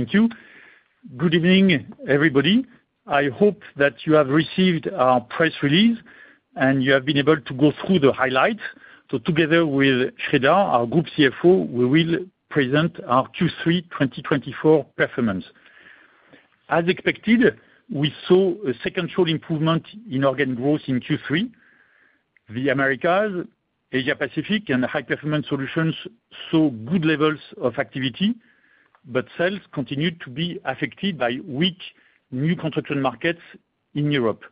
Thank you. Good evening, everybody. I hope that you have received our press release and you have been able to go through the highlights. Together with Sreedhar, our Group CFO, we will present our Q3 2024 performance. As expected, we saw a second-quarter improvement in organic growth in Q3. The Americas, Asia-Pacific, and High-Performance Solutions saw good levels of activity, but sales continued to be affected by weak new construction markets in Europe.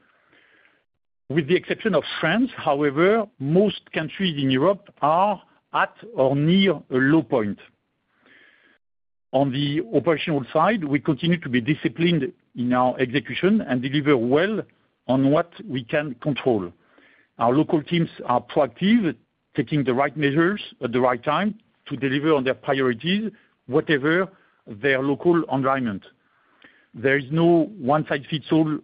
With the exception of France, however, most countries in Europe are at or near a low point. On the operational side, we continue to be disciplined in our execution and deliver well on what we can control. Our local teams are proactive, taking the right measures at the right time to deliver on their priorities, whatever their local environment. There is no one-size-fits-all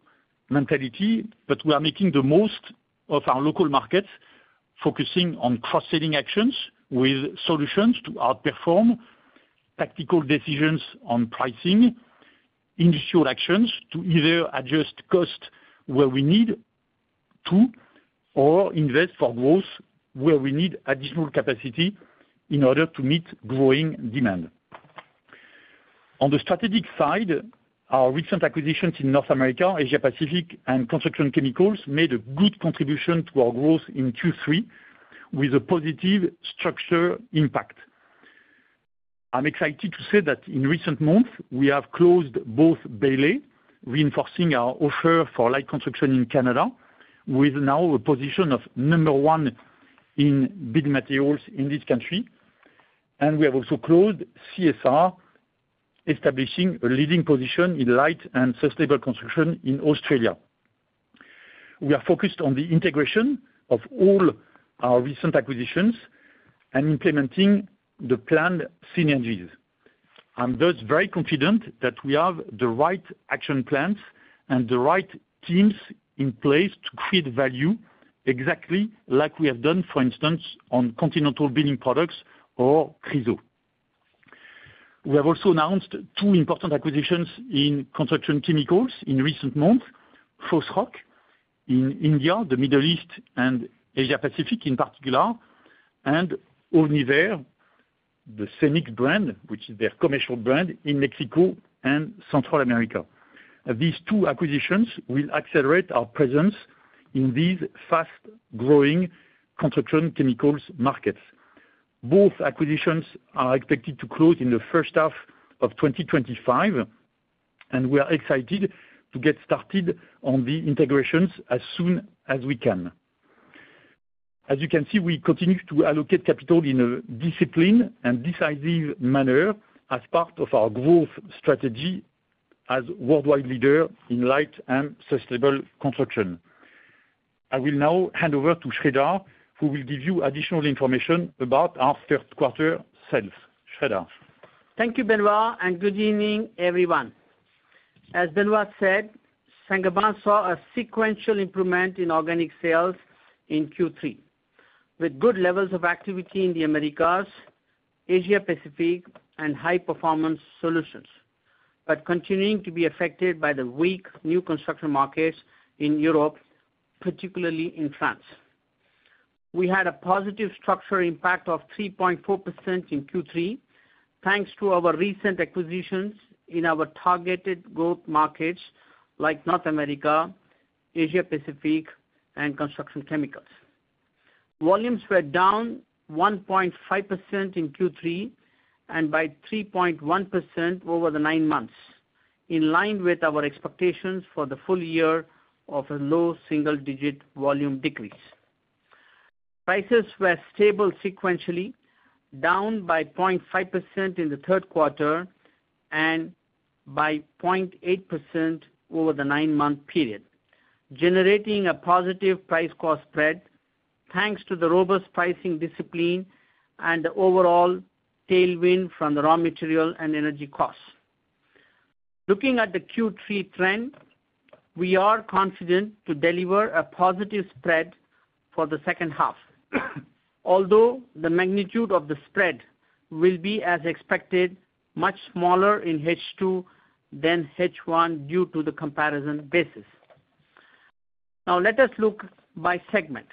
mentality, but we are making the most of our local markets, focusing on cross-selling actions with solutions to outperform tactical decisions on pricing, industrial actions to either adjust costs where we need to or invest for growth where we need additional capacity in order to meet growing demand. On the strategic side, our recent acquisitions in North America, Asia-Pacific, and construction chemicals made a good contribution to our growth in Q3, with a positive structural impact. I'm excited to say that in recent months, we have closed both Bailey, reinforcing our offer for light construction in Canada, with now a position of number one in building materials in this country, and we have also closed CSR, establishing a leading position in light and sustainable construction in Australia. We are focused on the integration of all our recent acquisitions and implementing the planned synergies. I'm thus very confident that we have the right action plans and the right teams in place to create value, exactly like we have done, for instance, on Continental Building Products or Chryso. We have also announced two important acquisitions in construction chemicals in recent months: Fosroc in India, the Middle East, and Asia-Pacific in particular, and Ovniver, the CEMIX brand, which is their commercial brand, in Mexico and Central America. These two acquisitions will accelerate our presence in these fast-growing construction chemicals markets. Both acquisitions are expected to close in the first half of 2025, and we are excited to get started on the integrations as soon as we can. As you can see, we continue to allocate capital in a disciplined and decisive manner as part of our growth strategy as a worldwide leader in light and sustainable construction. I will now hand over to Sreedhar, who will give you additional information about our third-quarter sales. Sreedhar. Thank you, Benoit, and good evening, everyone. As Benoit said, Saint-Gobain saw a sequential improvement in organic sales in Q3, with good levels of activity in the Americas, Asia-Pacific, and high-performance solutions, but continuing to be affected by the weak new construction markets in Europe, particularly in France. We had a positive structural impact of 3.4% in Q3, thanks to our recent acquisitions in our targeted growth markets like North America, Asia-Pacific, and construction chemicals. Volumes were down 1.5% in Q3 and by 3.1% over the nine months, in line with our expectations for the full year of a low single-digit volume decrease. Prices were stable sequentially, down by 0.5% in the third quarter and by 0.8% over the nine-month period, generating a positive price-cost spread, thanks to the robust pricing discipline and the overall tailwind from the raw material and energy costs. Looking at the Q3 trend, we are confident to deliver a positive spread for the second half, although the magnitude of the spread will be, as expected, much smaller in H2 than H1 due to the comparison basis. Now, let us look by segment.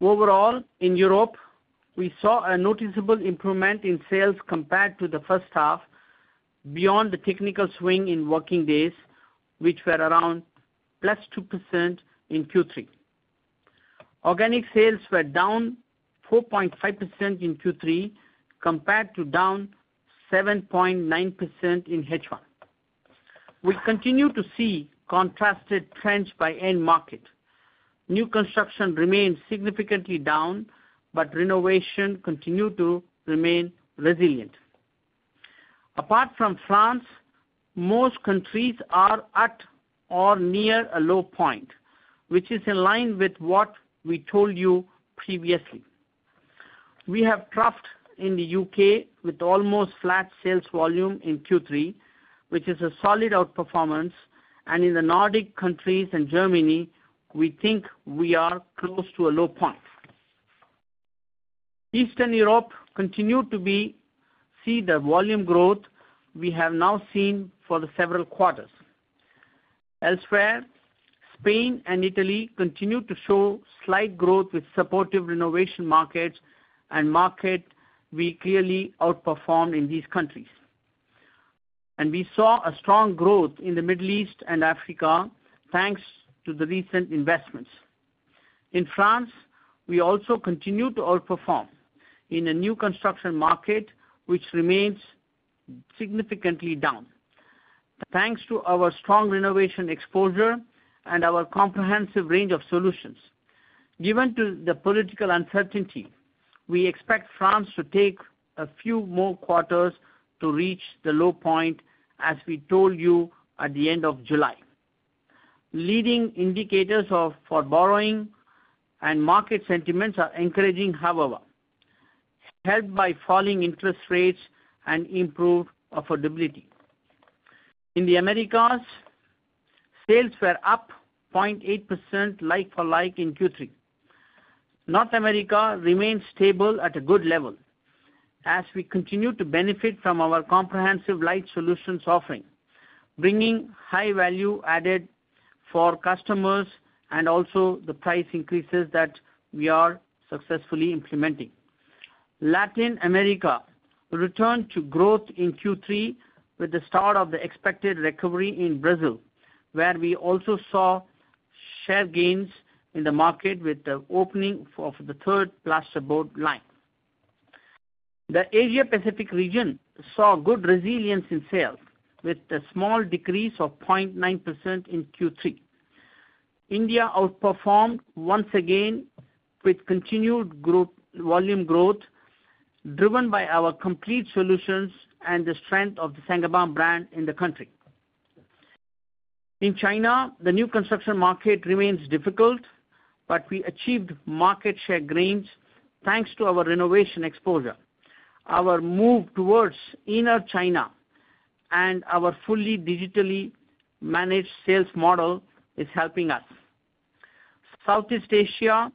Overall, in Europe, we saw a noticeable improvement in sales compared to the first half, beyond the technical swing in working days, which were around plus 2% in Q3. Organic sales were down 4.5% in Q3 compared to down 7.9% in H1. We continue to see a contrasted trend by end market. New construction remained significantly down, but renovation continued to remain resilient. Apart from France, most countries are at or near a low point, which is in line with what we told you previously. We have troughed in the U.K. with almost flat sales volume in Q3, which is a solid outperformance, and in the Nordic countries and Germany, we think we are close to a low point. Eastern Europe continued to see the volume growth we have now seen for the several quarters. Elsewhere, Spain and Italy continued to show slight growth with supportive renovation markets and markets we clearly outperformed in these countries, and we saw a strong growth in the Middle East and Africa, thanks to the recent investments. In France, we also continued to outperform in a new construction market, which remains significantly down, thanks to our strong renovation exposure and our comprehensive range of solutions. Given the political uncertainty, we expect France to take a few more quarters to reach the low point, as we told you at the end of July. Leading indicators for borrowing and market sentiments are encouraging, however, helped by falling interest rates and improved affordability. In the Americas, sales were up 0.8% like-for-like in Q3. North America remained stable at a good level, as we continue to benefit from our comprehensive light solutions offering, bringing high value added for customers and also the price increases that we are successfully implementing. Latin America returned to growth in Q3 with the start of the expected recovery in Brazil, where we also saw share gains in the market with the opening of the third plasterboard line. The Asia-Pacific region saw good resilience in sales, with a small decrease of 0.9% in Q3. India outperformed once again with continued volume growth, driven by our complete solutions and the strength of the Saint-Gobain brand in the country. In China, the new construction market remains difficult, but we achieved market share gains thanks to our renovation exposure. Our move towards inner China and our fully digitally managed sales model is helping us. Southeast Asia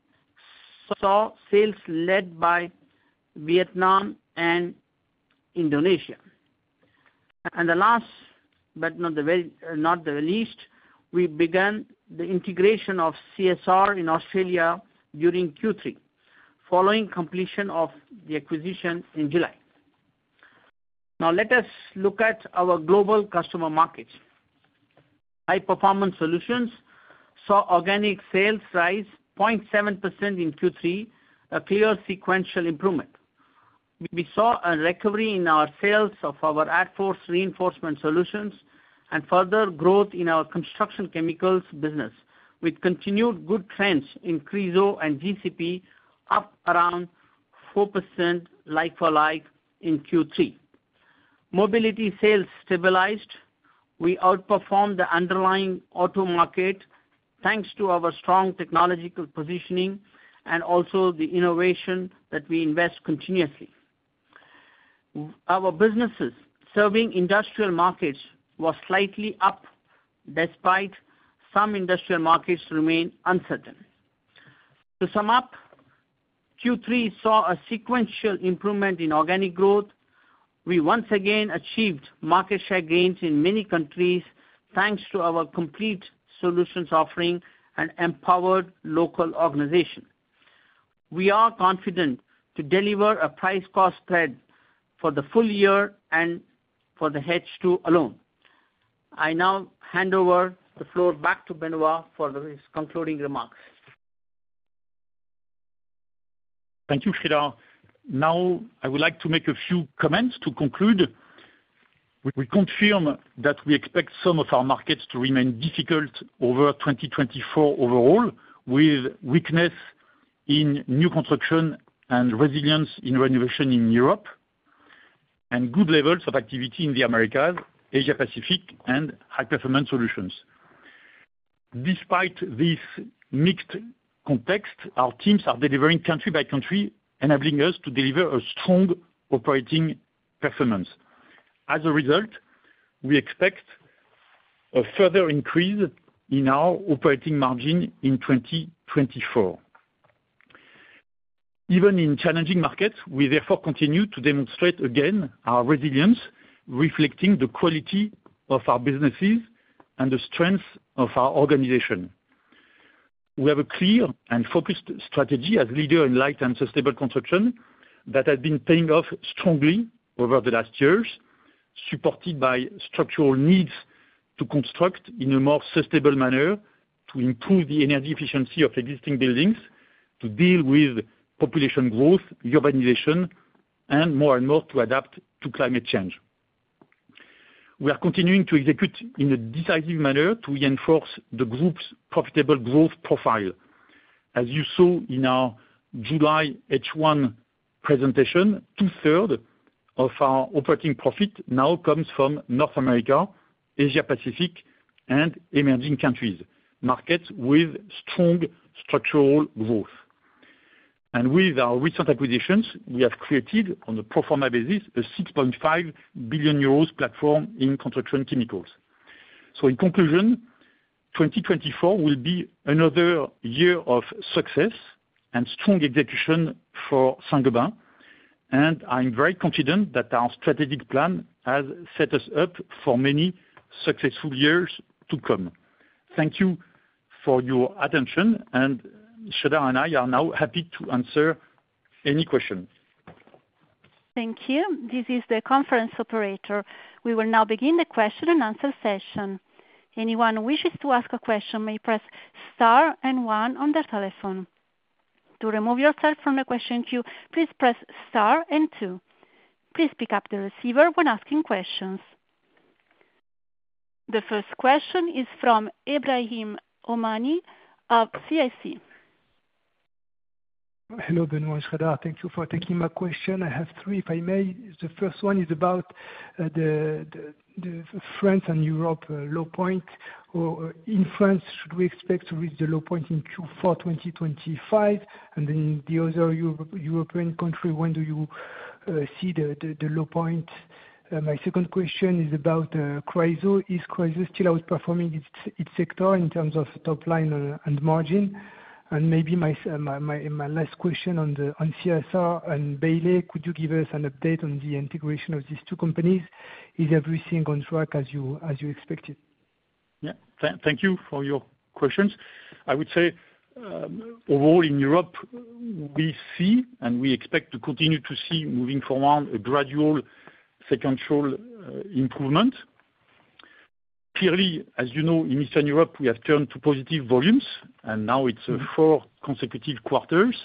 saw sales led by Vietnam and Indonesia. And the last, but not the least, we began the integration of CSR in Australia during Q3, following completion of the acquisition in July. Now, let us look at our global customer markets. High-Performance Solutions saw organic sales rise 0.7% in Q3, a clear sequential improvement. We saw a recovery in our sales of our Adfors reinforcement solutions and further growth in our construction chemicals business, with continued good trends in Chryso and GCP, up around 4% like-for-like in Q3. Mobility sales stabilized. We outperformed the underlying auto market, thanks to our strong technological positioning and also the innovation that we invest continuously. Our businesses serving industrial markets were slightly up, despite some industrial markets remaining uncertain. To sum up, Q3 saw a sequential improvement in organic growth. We once again achieved market share gains in many countries, thanks to our complete solutions offering and empowered local organization. We are confident to deliver a price-cost spread for the full year and for the H2 alone. I now hand over the floor back to Benoit for his concluding remarks. Thank you, Sreedhar. Now, I would like to make a few comments to conclude. We confirm that we expect some of our markets to remain difficult over 2024 overall, with weakness in new construction and resilience in renovation in Europe, and good levels of activity in the Americas, Asia-Pacific, and High-Performance Solutions. Despite this mixed context, our teams are delivering country by country, enabling us to deliver a strong operating performance. As a result, we expect a further increase in our operating margin in 2024. Even in challenging markets, we therefore continue to demonstrate again our resilience, reflecting the quality of our businesses and the strength of our organization. We have a clear and focused strategy as a leader in light and sustainable construction that has been paying off strongly over the last years, supported by structural needs to construct in a more sustainable manner, to improve the energy efficiency of existing buildings, to deal with population growth, urbanization, and more and more to adapt to climate change. We are continuing to execute in a decisive manner to reinforce the group's profitable growth profile. As you saw in our July H1 presentation, two-thirds of our operating profit now comes from North America, Asia-Pacific, and emerging countries, markets with strong structural growth. And with our recent acquisitions, we have created, on a pro forma basis, a 6.5 billion euros platform in construction chemicals. So, in conclusion, 2024 will be another year of success and strong execution for Saint-Gobain. I'm very confident that our strategic plan has set us up for many successful years to come. Thank you for your attention, and Sreedhar and I are now happy to answer any questions. Thank you. This is the conference operator. We will now begin the question-and-answer session. Anyone who wishes to ask a question may press Star and One on their telephone. To remove yourself from the question queue, please press Star and Two. Please pick up the receiver when asking questions. The first question is from Ebrahim Homani of CIC. Hello, Benoît. Sreedhar, thank you for taking my question. I have three, if I may. The first one is about the France and Europe low point. In France, should we expect to reach the low point in Q4 2025? And then the other European country, when do you see the low point? My second question is about Chryso. Is Chryso still outperforming its sector in terms of top line and margin? And maybe my last question on CSR and Bailey, could you give us an update on the integration of these two companies? Is everything on track as you expected? Yeah. Thank you for your questions. I would say, overall, in Europe, we see, and we expect to continue to see, moving forward, a gradual sequential improvement. Clearly, as you know, in Eastern Europe, we have turned to positive volumes, and now it's four consecutive quarters.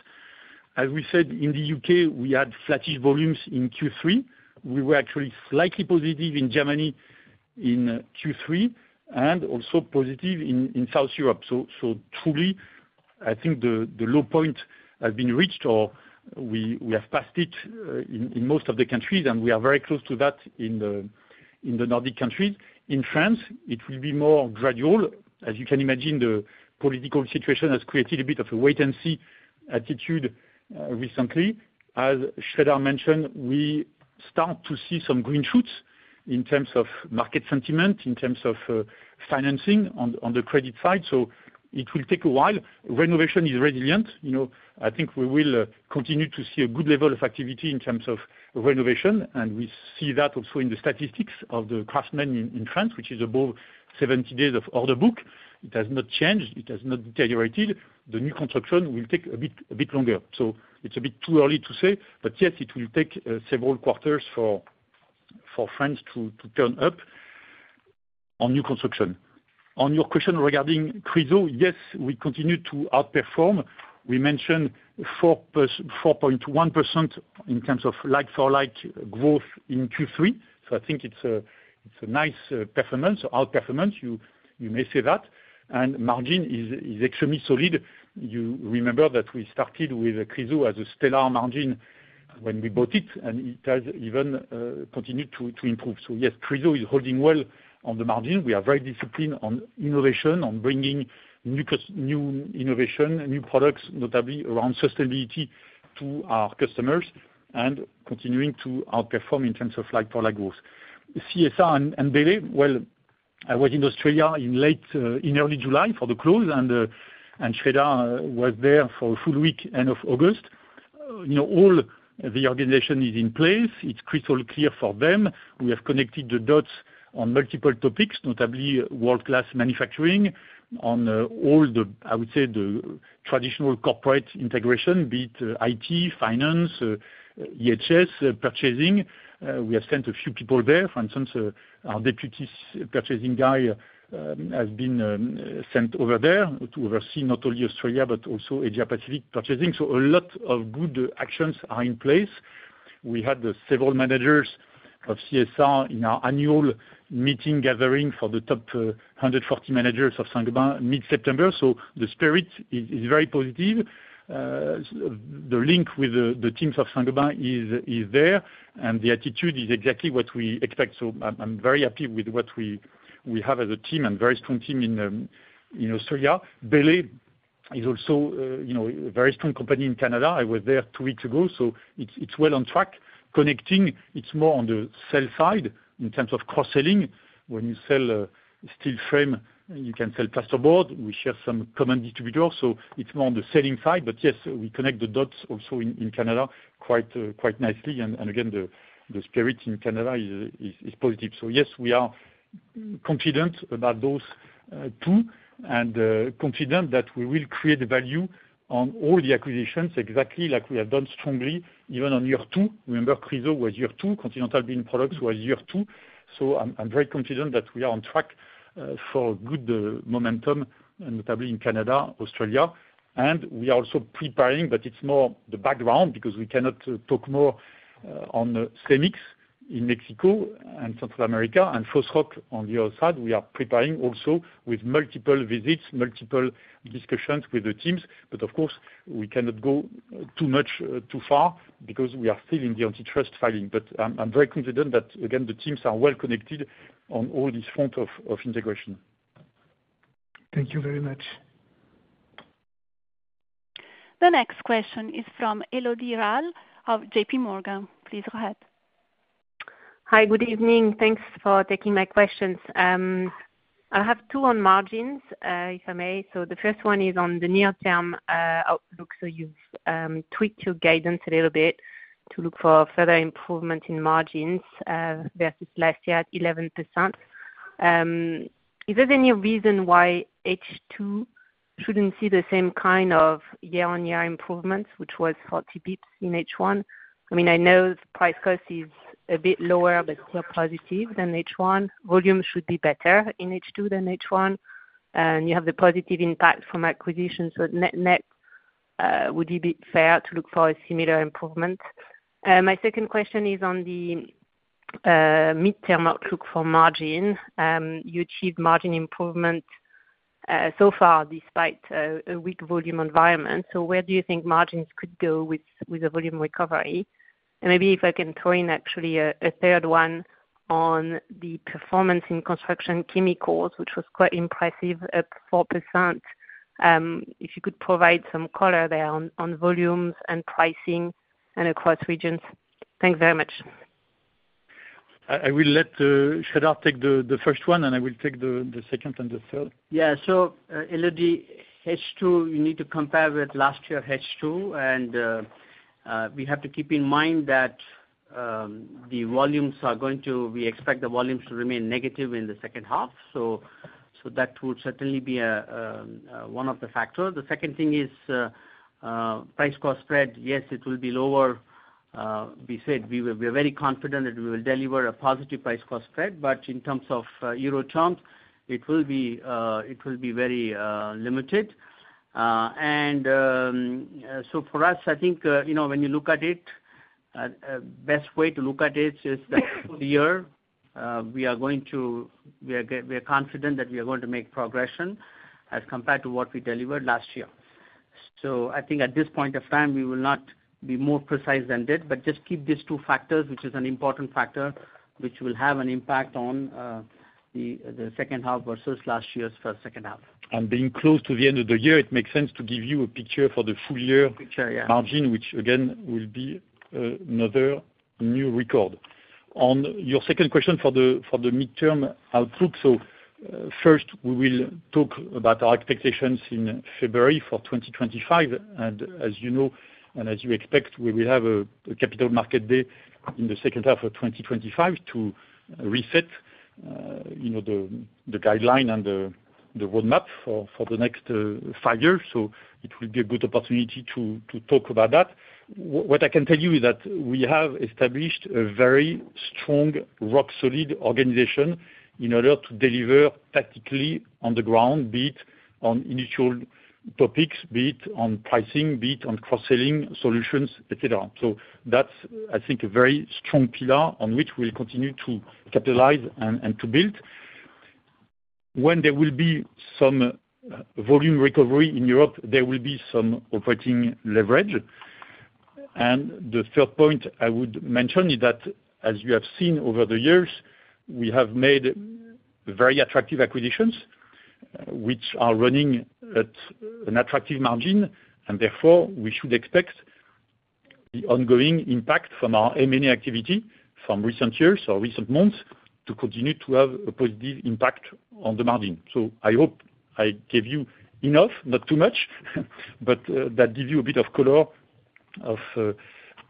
As we said, in the U.K., we had flattish volumes in Q3. We were actually slightly positive in Germany in Q3 and also positive in South Europe, so truly, I think the low point has been reached, or we have passed it in most of the countries, and we are very close to that in the Nordic countries. In France, it will be more gradual. As you can imagine, the political situation has created a bit of a wait-and-see attitude recently. As Sreedhar mentioned, we start to see some green shoots in terms of market sentiment, in terms of financing on the credit side. It will take a while. Renovation is resilient. I think we will continue to see a good level of activity in terms of renovation, and we see that also in the statistics of the craftsmen in France, which is above 70 days of order book. It has not changed. It has not deteriorated. The new construction will take a bit longer. It's a bit too early to say, but yes, it will take several quarters for France to turn up on new construction. On your question regarding Chryso, yes, we continue to outperform. We mentioned 4.1% in terms of like-for-like growth in Q3. I think it's a nice performance, outperformance, you may say that. Margin is extremely solid. You remember that we started with Chryso as a stellar margin when we bought it, and it has even continued to improve. Yes, Chryso is holding well on the margin. We are very disciplined on innovation, on bringing new innovation, new products, notably around sustainability to our customers, and continuing to outperform in terms of like-for-like growth. CSR and Bailey. I was in Australia in early July for the close, and Sreedhar was there for a full week, end of August. All the organization is in place. It's crystal clear for them. We have connected the dots on multiple topics, notably World Class Manufacturing, on all the, I would say, the traditional corporate integration, be it IT, finance, EHS, purchasing. We have sent a few people there. For instance, our deputy purchasing guy has been sent over there to oversee not only Australia but also Asia-Pacific purchasing. A lot of good actions are in place. We had several managers of CSR in our annual meeting gathering for the top 140 managers of Saint-Gobain mid-September. So, the spirit is very positive. The link with the teams of Saint-Gobain is there, and the attitude is exactly what we expect. So, I'm very happy with what we have as a team and very strong team in Australia. Bailey is also a very strong company in Canada. I was there two weeks ago, so it's well on track. Connecting, it's more on the sell side in terms of cross-selling. When you sell steel frame, you can sell plasterboard. We share some common distributors, so it's more on the selling side. But yes, we connect the dots also in Canada quite nicely. And again, the spirit in Canada is positive. So, yes, we are confident about those two and confident that we will create value on all the acquisitions, exactly like we have done strongly, even on year two. Remember, Chryso was year two. Continental Building Products was year two. So, I'm very confident that we are on track for good momentum, notably in Canada, Australia. And we are also preparing, but it's more the background because we cannot talk more on CEMIX in Mexico and Central America. And Fosroc on the other side, we are preparing also with multiple visits, multiple discussions with the teams. But of course, we cannot go too much too far because we are still in the antitrust filing. But I'm very confident that, again, the teams are well connected on all these fronts of integration. Thank you very much. The next question is from Élodie Rall of JPMorgan. Please go ahead. Hi, good evening. Thanks for taking my questions. I have two on margins, if I may. So, the first one is on the near-term outlook. So, you've tweaked your guidance a little bit to look for further improvement in margins versus last year at 11%. Is there any reason why H2 shouldn't see the same kind of year-on-year improvements, which was 40 basis points in H1? I mean, I know the price-cost is a bit lower, but still positive than H1. Volume should be better in H2 than H1. And you have the positive impact from acquisition, so net would be fair to look for a similar improvement. My second question is on the mid-term outlook for margin. You achieved margin improvement so far despite a weak volume environment. So, where do you think margins could go with a volume recovery? Maybe if I can throw in actually a third one on the performance in construction chemicals, which was quite impressive, up 4%. If you could provide some color there on volumes and pricing and across regions? Thanks very much. I will let Sreedhar take the first one, and I will take the second and the third. Yeah. So, Élodie, H2, you need to compare with last year's H2. And we have to keep in mind that the volumes are going to—we expect the volumes to remain negative in the second half. So, that would certainly be one of the factors. The second thing is price-cost spread. Yes, it will be lower. We said we are very confident that we will deliver a positive price-cost spread. But in terms of euro change, it will be very limited. And so, for us, I think when you look at it, the best way to look at it is that for the year, we are going to—we are confident that we are going to make progression as compared to what we delivered last year. I think at this point of time, we will not be more precise than that, but just keep these two factors, which is an important factor, which will have an impact on the second half versus last year's second half. Being close to the end of the year, it makes sense to give you a picture for the full year margin, which, again, will be another new record. On your second question for the mid-term outlook, so first, we will talk about our expectations in February for 2025. And as you know and as you expect, we will have a capital market day in the second half of 2025 to reset the guideline and the roadmap for the next five years. So, it will be a good opportunity to talk about that. What I can tell you is that we have established a very strong, rock-solid organization in order to deliver practically on the ground, be it on initial topics, be it on pricing, be it on cross-selling solutions, etc. So, that's, I think, a very strong pillar on which we will continue to capitalize and to build. When there will be some volume recovery in Europe, there will be some operating leverage. And the third point I would mention is that, as you have seen over the years, we have made very attractive acquisitions, which are running at an attractive margin. And therefore, we should expect the ongoing impact from our M&A activity from recent years or recent months to continue to have a positive impact on the margin. So, I hope I gave you enough, not too much, but that gives you a bit of color of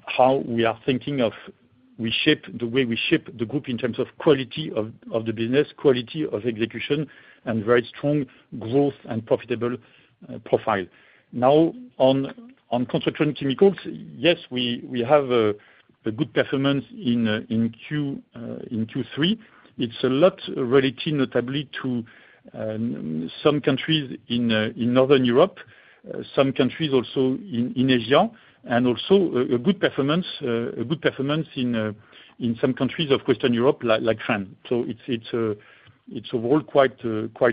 how we are thinking of the way we shape the group in terms of quality of the business, quality of execution, and very strong growth and profitable profile. Now, on construction chemicals, yes, we have a good performance in Q3. It's a lot related, notably, to some countries in Northern Europe, some countries also in Asia, and also a good performance in some countries of Western Europe like France. So, it's a world quite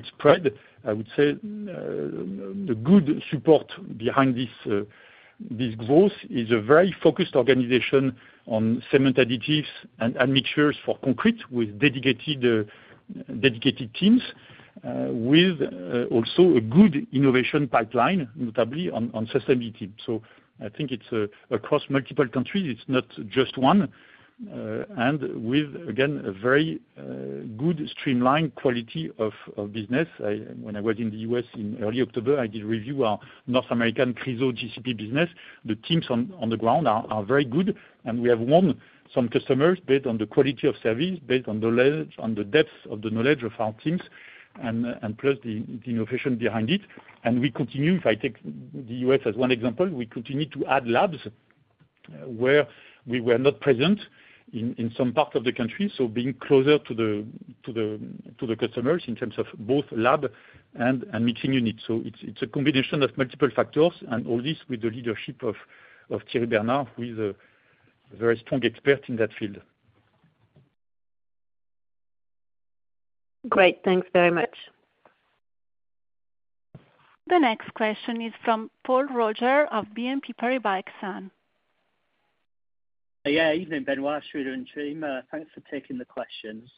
spread, I would say. The good support behind this growth is a very focused organization on cement additives and mixtures for concrete with dedicated teams, with also a good innovation pipeline, notably on sustainability. So, I think it's across multiple countries. It's not just one. And with, again, a very good streamlined quality of business. When I was in the U.S. in early October, I did a review of our North American Chryso GCP business. The teams on the ground are very good, and we have won some customers based on the quality of service, based on the depth of the knowledge of our teams, and plus the innovation behind it. We continue, if I take the U.S. as one example, we continue to add labs where we were not present in some parts of the country, so being closer to the customers in terms of both lab and mixing units. It's a combination of multiple factors, and all this with the leadership of Thierry Bernard, who is a very strong expert in that field. Great. Thanks very much. The next question is from Paul Roger of BNP Paribas Exane. Yeah. Evening, Benoit, Sreedhar and Thierry. Thanks for taking the questions.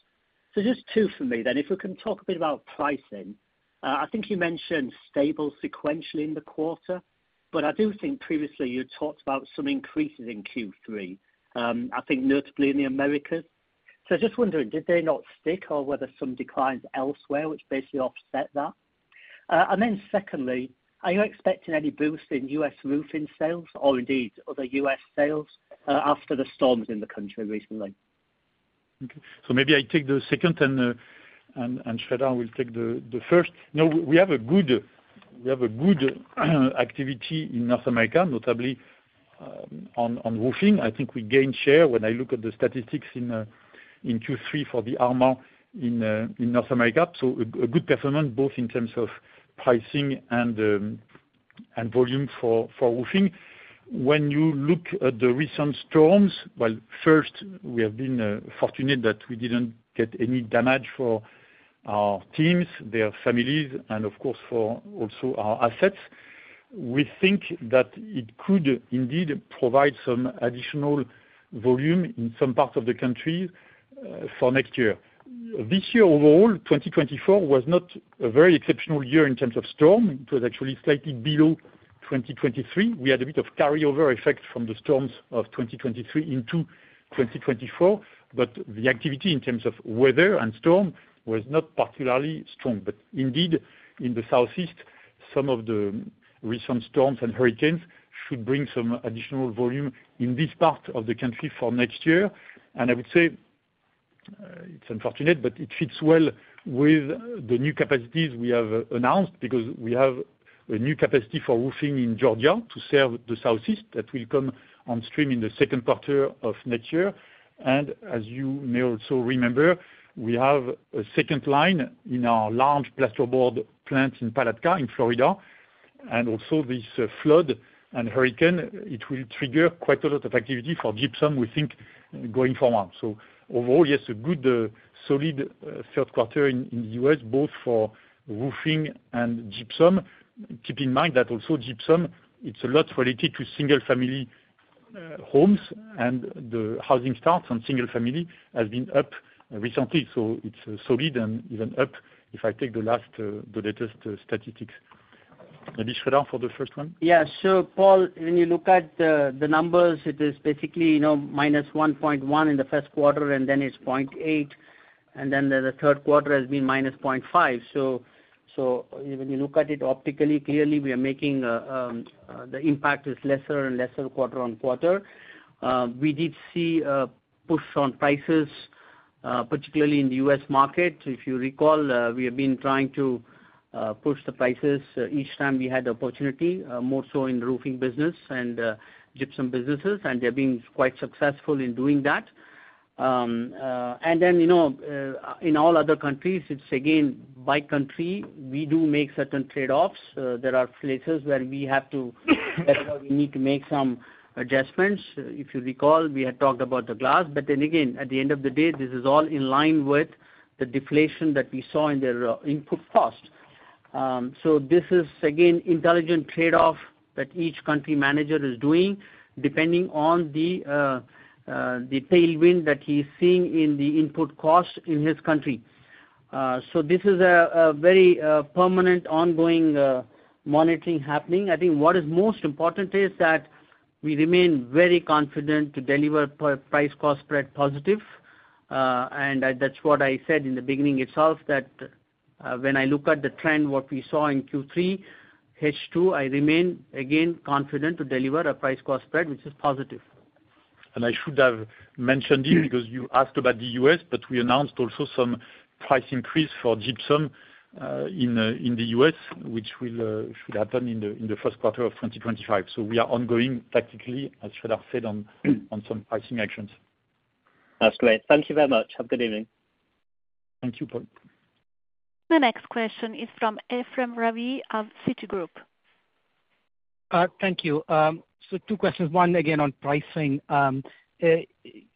So, just two for me then. If we can talk a bit about pricing. I think you mentioned stable sequentially in the quarter, but I do think previously you talked about some increases in Q3, I think notably in the Americas. So, just wondering, did they not stick or were there some declines elsewhere which basically offset that? And then secondly, are you expecting any boost in U.S. roofing sales or indeed other U.S. sales after the storms in the country recently? Okay. So, maybe I take the second, and Sreedhar will take the first. No, we have a good activity in North America, notably on roofing. I think we gained share when I look at the statistics in Q3 for the market in North America. So, a good performance both in terms of pricing and volume for roofing. When you look at the recent storms, well, first, we have been fortunate that we didn't get any damage for our teams, their families, and of course, for also our assets. We think that it could indeed provide some additional volume in some parts of the country for next year. This year, overall, 2024 was not a very exceptional year in terms of storm. It was actually slightly below 2023. We had a bit of carryover effect from the storms of 2023 into 2024, but the activity in terms of weather and storm was not particularly strong, but indeed, in the southeast, some of the recent storms and hurricanes should bring some additional volume in this part of the country for next year, and I would say it's unfortunate, but it fits well with the new capacities we have announced because we have a new capacity for roofing in Georgia to serve the southeast that will come on stream in the second quarter of next year, and as you may also remember, we have a second line in our large plasterboard plant in Palatka in Florida, and also, this flood and hurricane, it will trigger quite a lot of activity for gypsum, we think, going forward. So, overall, yes, a good solid third quarter in the U.S., both for roofing and gypsum. Keep in mind that also gypsum, it's a lot related to single-family homes, and the housing starts on single-family have been up recently. So, it's solid and even up if I take the latest statistics. Maybe Sreedhar for the first one? Yeah. So, Paul, when you look at the numbers, it is basically -1.1 in the first quarter, and then it's 0.8, and then the third quarter has been -0.5. So, when you look at it optically, clearly, we are making the impact is lesser and lesser quarter on quarter. We did see a push on prices, particularly in the U.S. market. If you recall, we have been trying to push the prices each time we had the opportunity, more so in the roofing business and gypsum businesses, and they've been quite successful in doing that. And then, in all other countries, it's again, by country, we do make certain trade-offs. There are places where we have to, where we need to make some adjustments. If you recall, we had talked about the glass, but then again, at the end of the day, this is all in line with the deflation that we saw in their input cost. So, this is, again, intelligent trade-off that each country manager is doing depending on the tailwind that he's seeing in the input cost in his country. So, this is a very permanent, ongoing monitoring happening. I think what is most important is that we remain very confident to deliver price-cost spread positive. That's what I said in the beginning itself, that when I look at the trend, what we saw in Q3, H2, I remain, again, confident to deliver a price-cost spread which is positive. And I should have mentioned it because you asked about the U.S., but we announced also some price increase for gypsum in the U.S., which should happen in the first quarter of 2025. So, we are ongoing, practically, as Sreedhar said, on some pricing actions. That's great. Thank you very much. Have a good evening. Thank you, Paul. The next question is from Ephrem Ravi of Citi. Thank you. So, two questions. One, again, on pricing.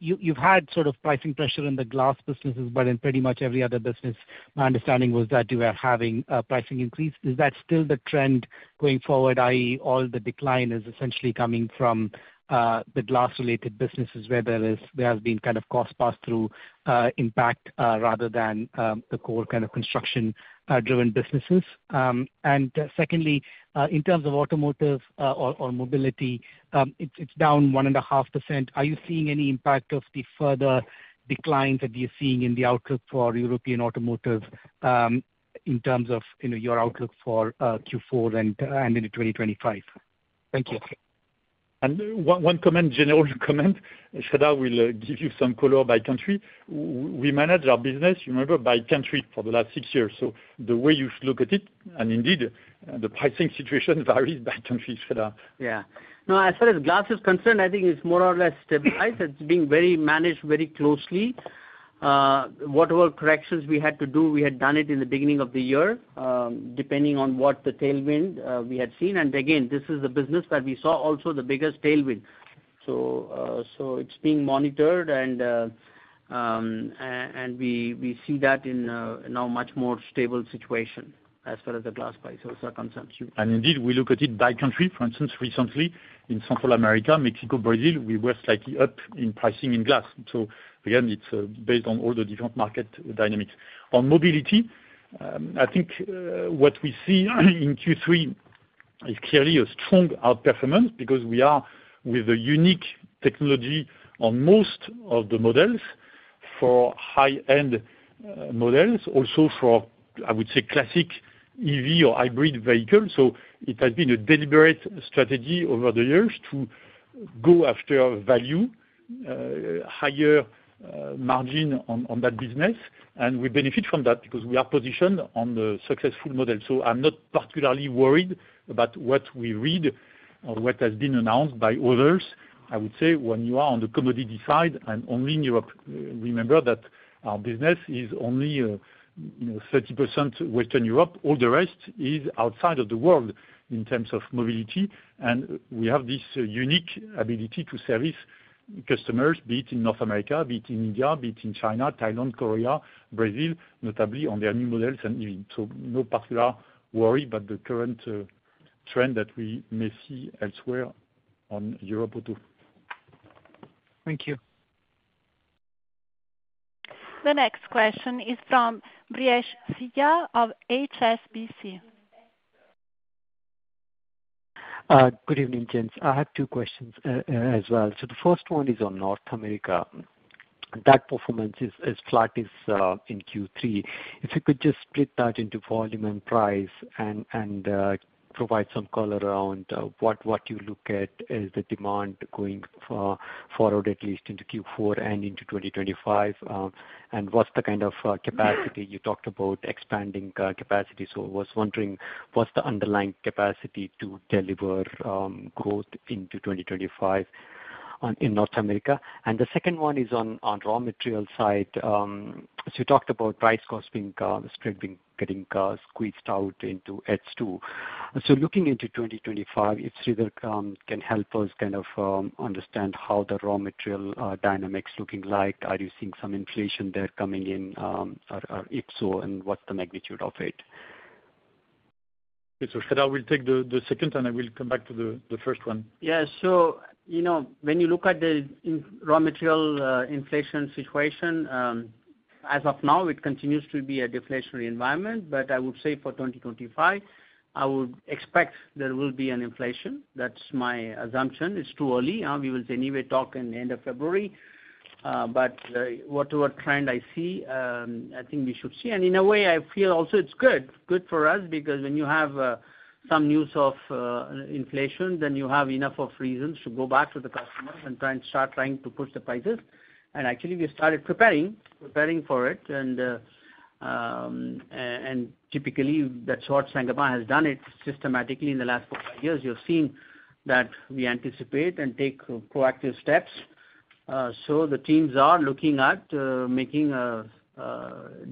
You've had sort of pricing pressure in the glass businesses, but in pretty much every other business, my understanding was that you were having pricing increase. Is that still the trend going forward, i.e., all the decline is essentially coming from the glass-related businesses where there has been kind of cost pass-through impact rather than the core kind of construction-driven businesses? And secondly, in terms of automotive or mobility, it's down 1.5%. Are you seeing any impact of the further declines that you're seeing in the outlook for European automotive in terms of your outlook for Q4 and into 2025? Thank you. One comment, general comment. Sreedhar will give you some color by country. We manage our business, remember, by country for the last six years. So, the way you should look at it, and indeed, the pricing situation varies by country, Sreedhar. Yeah. No, as far as glass is concerned, I think it's more or less stabilized. It's being very managed very closely. Whatever corrections we had to do, we had done it in the beginning of the year, depending on what the tailwind we had seen. And again, this is the business that we saw also the biggest tailwind. So, it's being monitored, and we see that in a much more stable situation as far as the glass price also concerns. Indeed, we look at it by country. For instance, recently, in Central America, Mexico, Brazil, we were slightly up in pricing in glass. Again, it's based on all the different market dynamics. On mobility, I think what we see in Q3 is clearly a strong outperformance because we are with a unique technology on most of the models for high-end models, also for, I would say, classic EV or hybrid vehicles. It has been a deliberate strategy over the years to go after value, higher margin on that business, and we benefit from that because we are positioned on the successful model. I'm not particularly worried about what we read or what has been announced by others. I would say when you are on the commodity side and only in Europe, remember that our business is only 30% Western Europe. All the rest is outside of the world in terms of mobility, and we have this unique ability to service customers, be it in North America, be it in India, be it in China, Thailand, Korea, Brazil, notably on their new models and EVs, so no particular worry about the current trend that we may see elsewhere in Europe or too. Thank you. The next question is from Brijesh Siya of HSBC. Good evening, James. I have two questions as well. The first one is on North America. That performance is as flat as in Q3. If you could just split that into volume and price and provide some color around what you look at as the demand going forward, at least into Q4 and into 2025, and what's the kind of capacity you talked about expanding capacity. I was wondering what's the underlying capacity to deliver growth into 2025 in North America. The second one is on the raw material side. You talked about the price-cost spread being squeezed out into H2. Looking into 2025, if Sreedhar can help us kind of understand how the raw material dynamics looking like, are you seeing some inflation there coming in, or if so, and what's the magnitude of it? Okay. So, Sreedhar will take the second, and I will come back to the first one. Yeah. When you look at the raw material inflation situation, as of now, it continues to be a deflationary environment, but I would say for 2025, I would expect there will be an inflation. That's my assumption. It's too early. We will anyway talk in the end of February. But whatever trend I see, I think we should see. And in a way, I feel also it's good for us because when you have some news of inflation, then you have enough of reasons to go back to the customers and try and start trying to push the prices. And actually, we started preparing for it. And typically, that's what Saint-Gobain has done systematically in the last four, five years. You're seeing that we anticipate and take proactive steps. So, the teams are looking at making,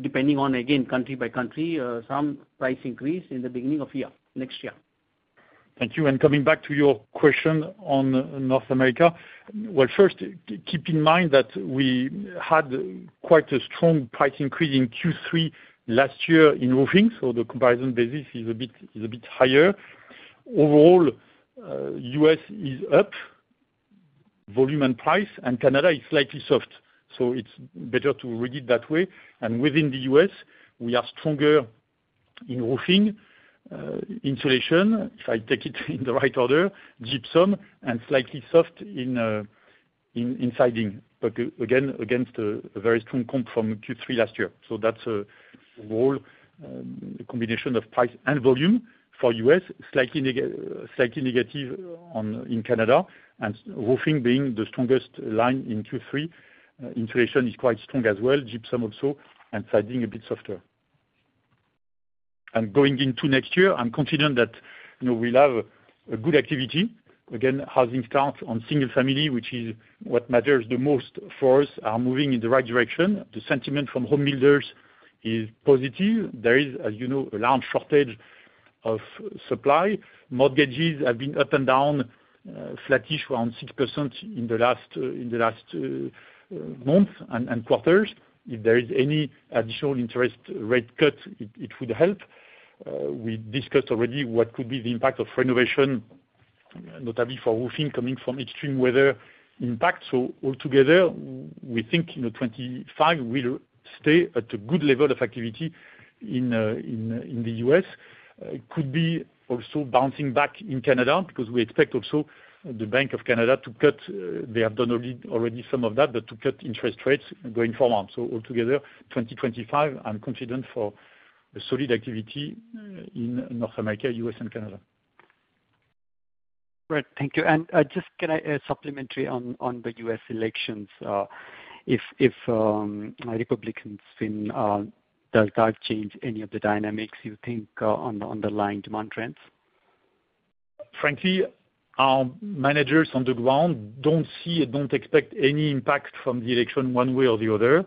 depending on, again, country by country, some price increase in the beginning of next year. Thank you. And coming back to your question on North America, well, first, keep in mind that we had quite a strong price increase in Q3 last year in roofing. So, the comparison basis is a bit higher. Overall, U.S. is up, volume and price, and Canada is slightly soft. So, it's better to read it that way. And within the U.S., we are stronger in roofing, insulation, if I take it in the right order, gypsum, and slightly soft in siding, again, against a very strong comp from Q3 last year. So, that's overall a combination of price and volume for U.S., slightly negative in Canada, and roofing being the strongest line in Q3. Insulation is quite strong as well, gypsum also, and siding a bit softer. And going into next year, I'm confident that we'll have good activity. Again, housing starts on single-family, which is what matters the most for us, are moving in the right direction. The sentiment from home builders is positive. There is, as you know, a large shortage of supply. Mortgages have been up and down, flattish, around 6% in the last months and quarters. If there is any additional interest rate cut, it would help. We discussed already what could be the impact of renovation, notably for roofing coming from extreme weather impact. So, altogether, we think in 2025, we'll stay at a good level of activity in the U.S. It could be also bouncing back in Canada because we expect also the Bank of Canada to cut; they have done already some of that, but to cut interest rates going forward. So, altogether, 2025, I'm confident for solid activity in North America, U.S., and Canada. Great. Thank you. And just can I add supplementary on the U.S. elections? If Republicans win, they'll have changed any of the dynamics you think on the light demand trends? Frankly, our managers on the ground don't see and don't expect any impact from the election one way or the other.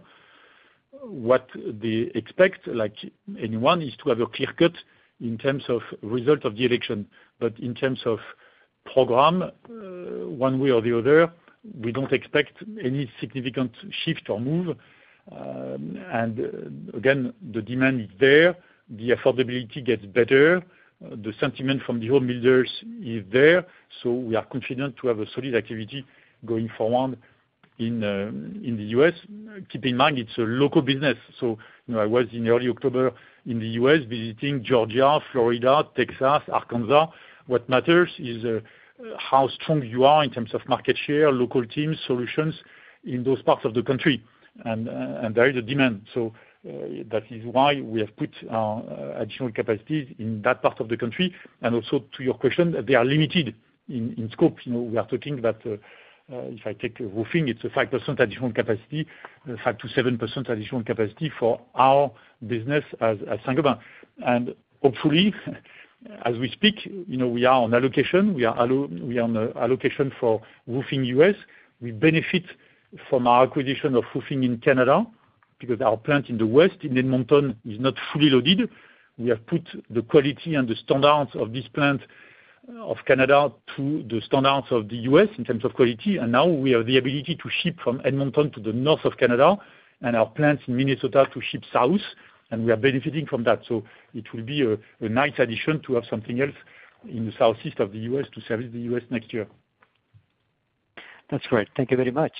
What they expect, like anyone, is to have a clear cut in terms of result of the election, but in terms of program, one way or the other, we don't expect any significant shift or move, and again, the demand is there. The affordability gets better. The sentiment from the home builders is there, so we are confident to have a solid activity going forward in the U.S. Keep in mind, it's a local business, so I was in early October in the U.S. visiting Georgia, Florida, Texas, Arkansas. What matters is how strong you are in terms of market share, local teams, solutions in those parts of the country, and there is a demand. That is why we have put additional capacities in that part of the country. And also, to your question, they are limited in scope. We are talking that if I take roofing, it's a 5% additional capacity, 5%-7% additional capacity for our business as Saint-Gobain. And hopefully, as we speak, we are on allocation. We are on allocation for roofing, U.S. We benefit from our acquisition of roofing in Canada because our plant in the west, in Edmonton, is not fully loaded. We have put the quality and the standards of this plant of Canada to the standards of the U.S. in terms of quality. And now we have the ability to ship from Edmonton to the north of Canada and our plants in Minnesota to ship south. And we are benefiting from that. So, it will be a nice addition to have something else in the southeast of the U.S. to service the U.S. next year. That's great. Thank you very much.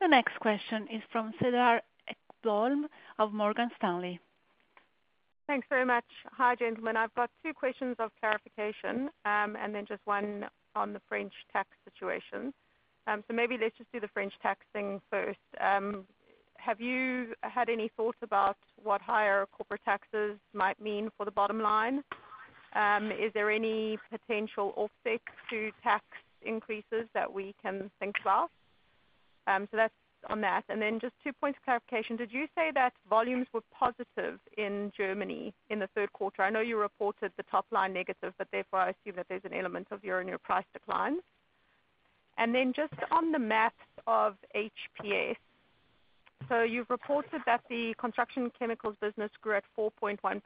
The next question is from Cedar Ekblom of Morgan Stanley. Thanks very much. Hi, gentlemen. I've got two questions of clarification and then just one on the French tax situation. So, maybe let's just do the French tax thing first. Have you had any thoughts about what higher corporate taxes might mean for the bottom line? Is there any potential offset to tax increases that we can think about? So, that's on that. And then just two points of clarification. Did you say that volumes were positive in Germany in the third quarter? I know you reported the top line negative, but therefore, I assume that there's an element of your own price decline. And then just on the math of HPS, so you've reported that the construction chemicals business grew at 4.1%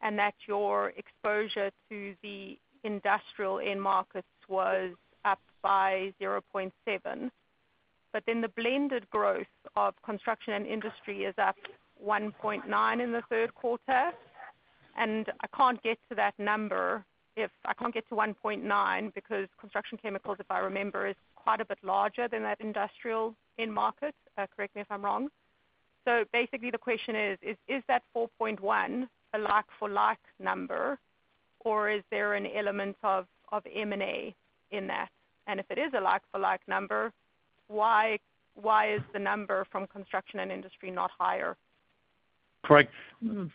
and that your exposure to the industrial end markets was up by 0.7. Then the blended growth of construction and industry is up 1.9% in the third quarter. I can't get to that number if I can't get to 1.9% because construction chemicals, if I remember, is quite a bit larger than that industrial end market. Correct me if I'm wrong. Basically, the question is, is that 4.1% a like-for-like number, or is there an element of M&A in that? If it is a like-for-like number, why is the number from construction and industry not higher? Correct.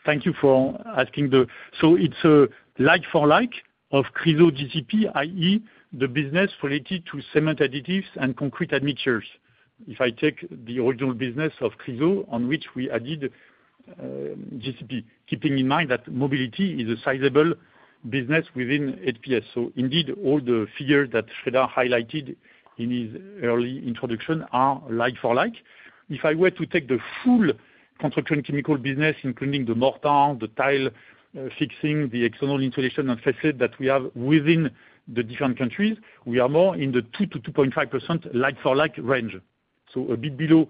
Thank you for asking. So, it's a like-for-like of Chryso GCP, i.e., the business related to cement additives and concrete admixtures. If I take the original business of Chryso, on which we added GCP, keeping in mind that mobility is a sizable business within HPS. So, indeed, all the figures that Sreedhar highlighted in his early introduction are like-for-like. If I were to take the full construction chemical business, including the mortar, the tile fixing, the external insulation and façade that we have within the different countries, we are more in the 2%-2.5% like-for-like range. So, a bit below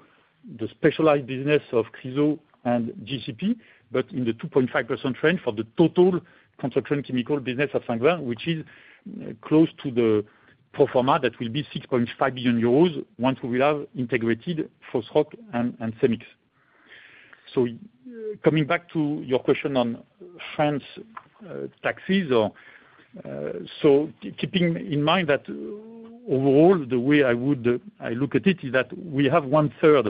the specialized business of Chryso and GCP, but in the 2.5% range for the total construction chemical business of Saint-Gobain, which is close to the pro forma that will be 6.5 billion euros once we will have integrated Fosroc and CEMIX. Coming back to your question on French taxes, keeping in mind that overall, the way I look at it is that we have one-third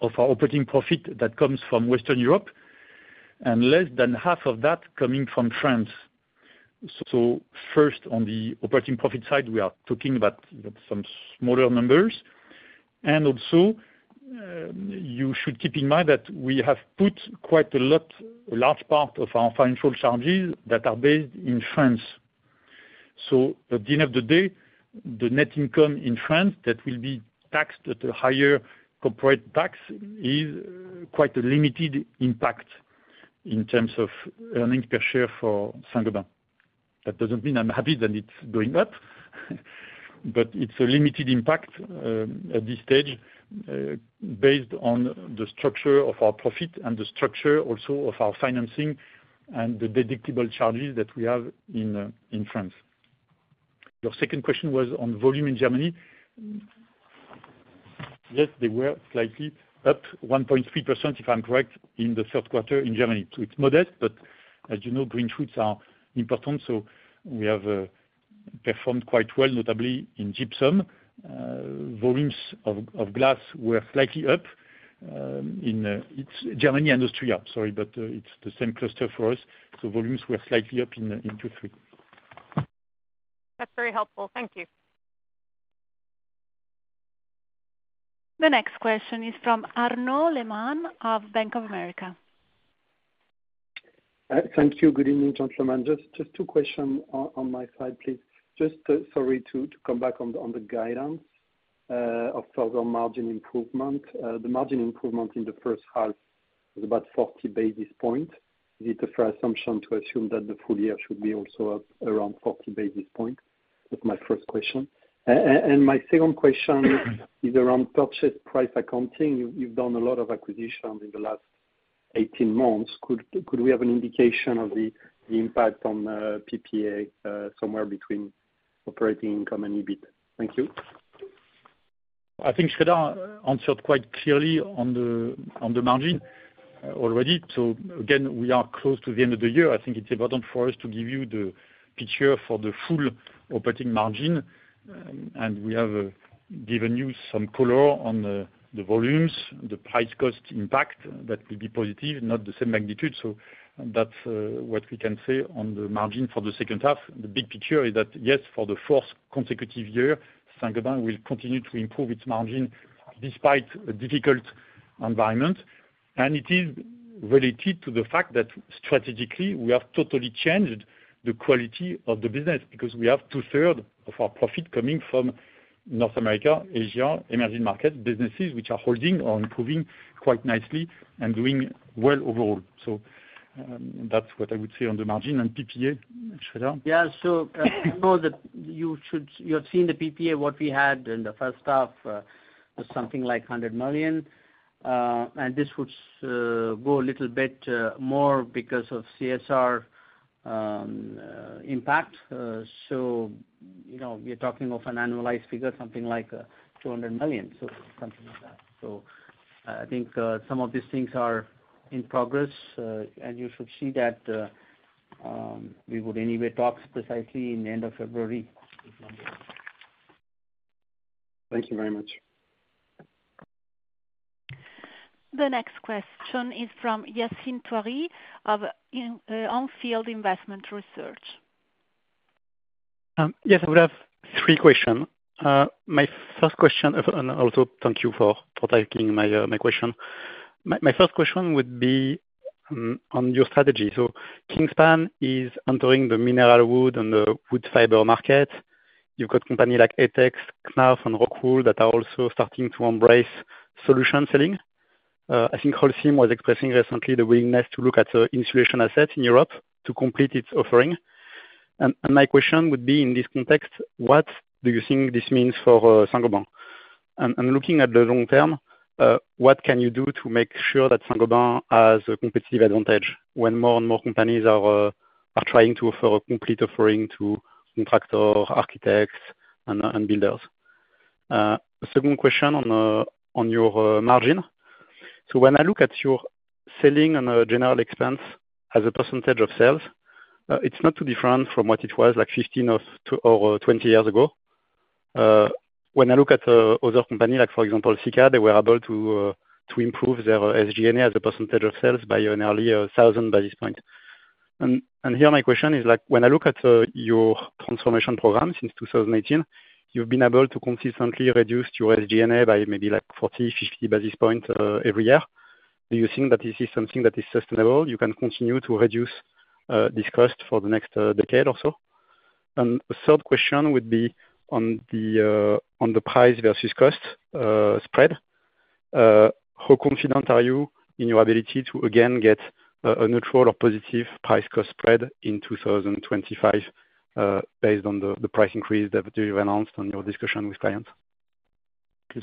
of our operating profit that comes from Western Europe and less than half of that coming from France. First, on the operating profit side, we are talking about some smaller numbers. Also, you should keep in mind that we have put quite a lot, a large part of our financial charges that are based in France. At the end of the day, the net income in France that will be taxed at a higher corporate tax is quite a limited impact in terms of earnings per share for Saint-Gobain. That doesn't mean I'm happy that it's going up, but it's a limited impact at this stage based on the structure of our profit and the structure also of our financing and the deductible charges that we have in France. Your second question was on volume in Germany. Yes, they were slightly up 1.3%, if I'm correct, in the third quarter in Germany. So, it's modest, but as you know, green shoots are important. So, we have performed quite well, notably in gypsum. Volumes of glass were slightly up in Germany and Austria. Sorry, but it's the same cluster for us. So, volumes were slightly up in Q3. That's very helpful. Thank you. The next question is from Arnaud Lehmann of Bank of America. Thank you. Good evening, gentlemen. Just two questions on my side, please. Just sorry to come back on the guidance of further margin improvement. The margin improvement in the first half was about 40 basis points. Is it a fair assumption to assume that the full year should be also up around 40 basis points? That's my first question. And my second question is around Purchase Price Accounting. You've done a lot of acquisitions in the last 18 months. Could we have an indication of the impact on PPA somewhere between operating income and EBITDA? Thank you. I think Sreedhar answered quite clearly on the margin already. So, again, we are close to the end of the year. I think it's important for us to give you the picture for the full operating margin. And we have given you some color on the volumes, the price-cost impact that will be positive, not the same magnitude. So, that's what we can say on the margin for the second half. The big picture is that, yes, for the fourth consecutive year, Saint-Gobain will continue to improve its margin despite a difficult environment. And it is related to the fact that strategically, we have totally changed the quality of the business because we have two-thirds of our profit coming from North America, Asia, emerging markets, businesses which are holding or improving quite nicely and doing well overall. So, that's what I would say on the margin. And PPA, Sreedhar? Yeah. So, you've seen the PPA. What we had in the first half was something like 100 million. And this would go a little bit more because of CSR impact. So, you're talking of an annualized figure, something like 200 million, so something like that. So, I think some of these things are in progress, and you should see that we would anyway talk precisely in the end of February with numbers. Thank you very much. The next question is from Yassine Touahri of On Field Investment Research. Yes, I would have three questions. My first question, and also thank you for taking my question. My first question would be on your strategy. So, Kingspan is entering the mineral wool and the wood fiber market. You've got companies like Etex, Knauf, and Rockwool that are also starting to embrace solution selling. I think Holcim was expressing recently the willingness to look at insulation assets in Europe to complete its offering. And my question would be, in this context, what do you think this means for Saint-Gobain? And looking at the long term, what can you do to make sure that Saint-Gobain has a competitive advantage when more and more companies are trying to offer a complete offering to contractors, architects, and builders? A second question on your margin. When I look at your selling and general expense as a percentage of sales, it's not too different from what it was like 15 or 20 years ago. When I look at other companies, like for example, Sika, they were able to improve their SG&A as a percentage of sales by nearly 1,000 basis points. Here, my question is, when I look at your transformation program since 2018, you've been able to consistently reduce your SG&A by maybe like 40 basis points-50 basis points every year. Do you think that this is something that is sustainable? You can continue to reduce this cost for the next decade or so? The third question would be on the price-cost spread. How confident are you in your ability to, again, get a neutral or positive price-cost spread in 2025 based on the price increase that you've announced on your discussion with clients?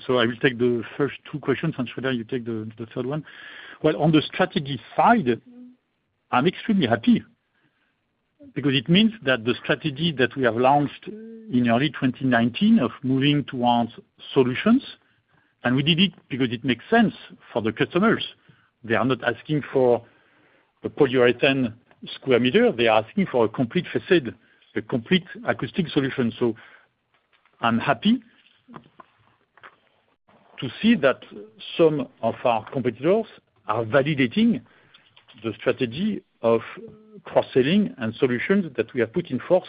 So, I will take the first two questions, and Sreedhar, you take the third one. Well, on the strategy side, I'm extremely happy because it means that the strategy that we have launched in early 2019 of moving towards solutions, and we did it because it makes sense for the customers. They are not asking for a polyurethane square meter. They are asking for a complete facade, a complete acoustic solution. So, I'm happy to see that some of our competitors are validating the strategy of cross-selling and solutions that we have put in force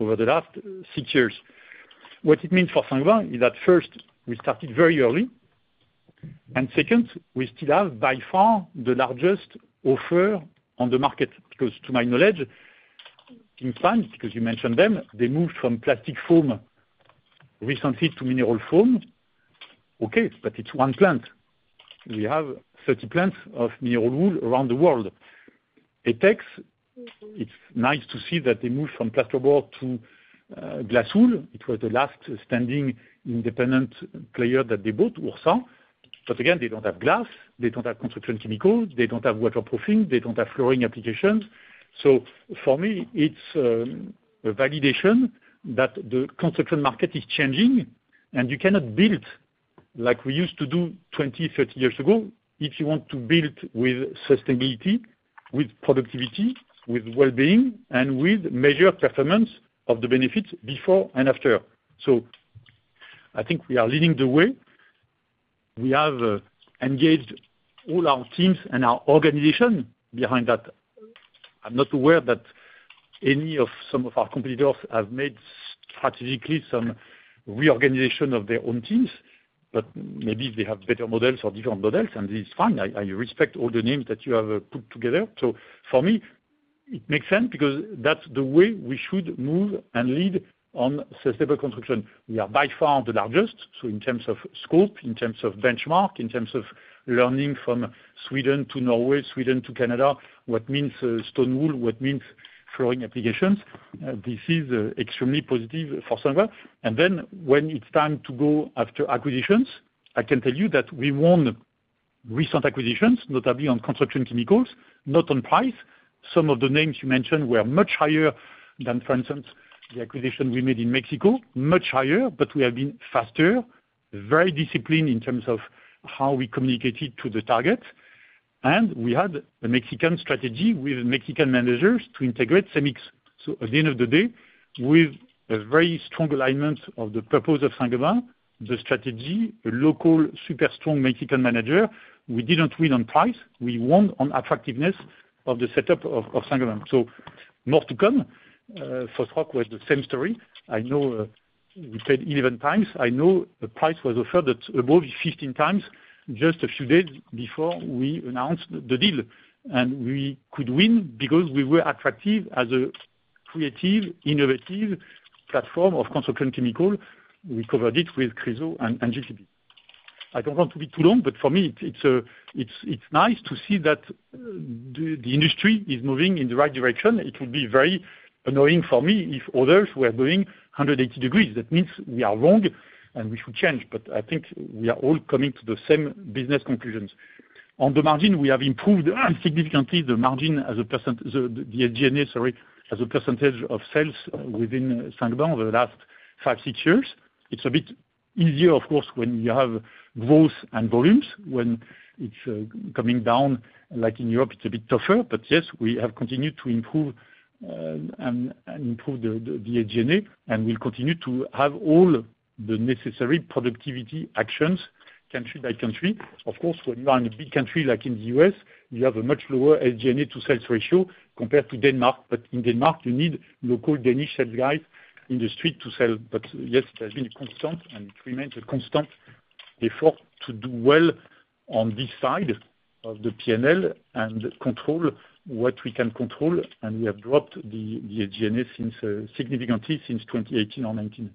over the last six years. What it means for Saint-Gobain is that, first, we started very early, and second, we still have, by far, the largest offer on the market because, to my knowledge, Kingspan, because you mentioned them, they moved from plastic foam recently to mineral foam. Okay, but it's one plant. We have 30 plants of mineral wool around the world. Etex, it's nice to see that they moved from plasterboard to glass wool. It was the last standing independent player that they bought, Ursa. But again, they don't have glass wool. They don't have construction chemicals. They don't have waterproofing. They don't have flooring applications. So, for me, it's a validation that the construction market is changing, and you cannot build like we used to do 20, 30 years ago if you want to build with sustainability, with productivity, with well-being, and with measured performance of the benefits before and after. So, I think we are leading the way. We have engaged all our teams and our organization behind that. I'm not aware that any of some of our competitors have made strategically some reorganization of their own teams, but maybe they have better models or different models, and this is fine. I respect all the names that you have put together. So, for me, it makes sense because that's the way we should move and lead on sustainable construction. We are by far the largest, so in terms of scope, in terms of benchmark, in terms of learning from Sweden to Norway, Sweden to Canada, what means stone wool, what means flooring applications. This is extremely positive for Saint-Gobain. And then, when it's time to go after acquisitions, I can tell you that we won recent acquisitions, notably on construction chemicals, not on price. Some of the names you mentioned were much higher than, for instance, the acquisition we made in Mexico, much higher, but we have been faster, very disciplined in terms of how we communicated to the target. We had a Mexican strategy with Mexican managers to integrate CEMIX. At the end of the day, with a very strong alignment of the purpose of Saint-Gobain, the strategy, a local super strong Mexican manager, we didn't win on price. We won on attractiveness of the setup of Saint-Gobain. More to come. Fosroc was the same story. I know we paid 11 times. I know a price was offered that above 15 times just a few days before we announced the deal. We could win because we were attractive as a creative, innovative platform of construction chemical. We covered it with Chryso and GCP. I don't want to be too long, but for me, it's nice to see that the industry is moving in the right direction. It would be very annoying for me if others were going 180 degrees. That means we are wrong, and we should change. But I think we are all coming to the same business conclusions. On the margin, we have improved significantly the margin as a percent, the SG&A, sorry, as a percentage of sales within Saint-Gobain over the last five, six years. It's a bit easier, of course, when you have growth and volumes. When it's coming down, like in Europe, it's a bit tougher. But yes, we have continued to improve and improve the SG&A, and we'll continue to have all the necessary productivity actions, country by country. Of course, when you are in a big country like in the U.S., you have a much lower SG&A to sales ratio compared to Denmark. But in Denmark, you need local Danish sales guys in the street to sell. But yes, it has been a constant, and it remains a constant effort to do well on this side of the P&L and control what we can control. And we have dropped the SG&A significantly since 2018 or 2019.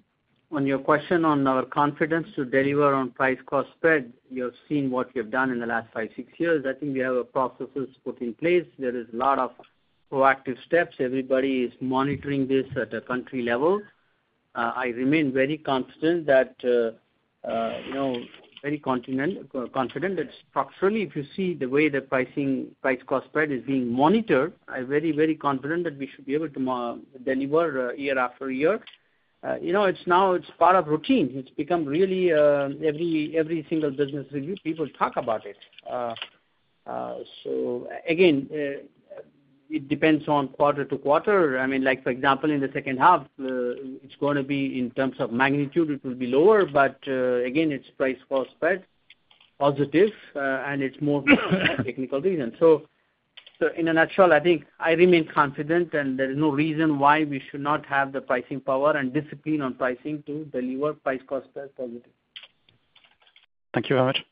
On your question on our confidence to deliver on price-cost spread, you have seen what we have done in the last five, six years. I think we have a process that's put in place. There is a lot of proactive steps. Everybody is monitoring this at a country level. I remain very confident that, very confident that structurally, if you see the way the price-cost spread is being monitored, I'm very, very confident that we should be able to deliver year after year. It's now part of routine. It's become really every single business review, people talk about it. So, again, it depends on quarter to quarter. I mean, for example, in the second half, it's going to be in terms of magnitude, it will be lower. But again, it's price-cost spread positive, and it's more for technical reasons. So, in a nutshell, I think I remain confident, and there is no reason why we should not have the pricing power and discipline on pricing to deliver price-cost spread positive. Thank you very much.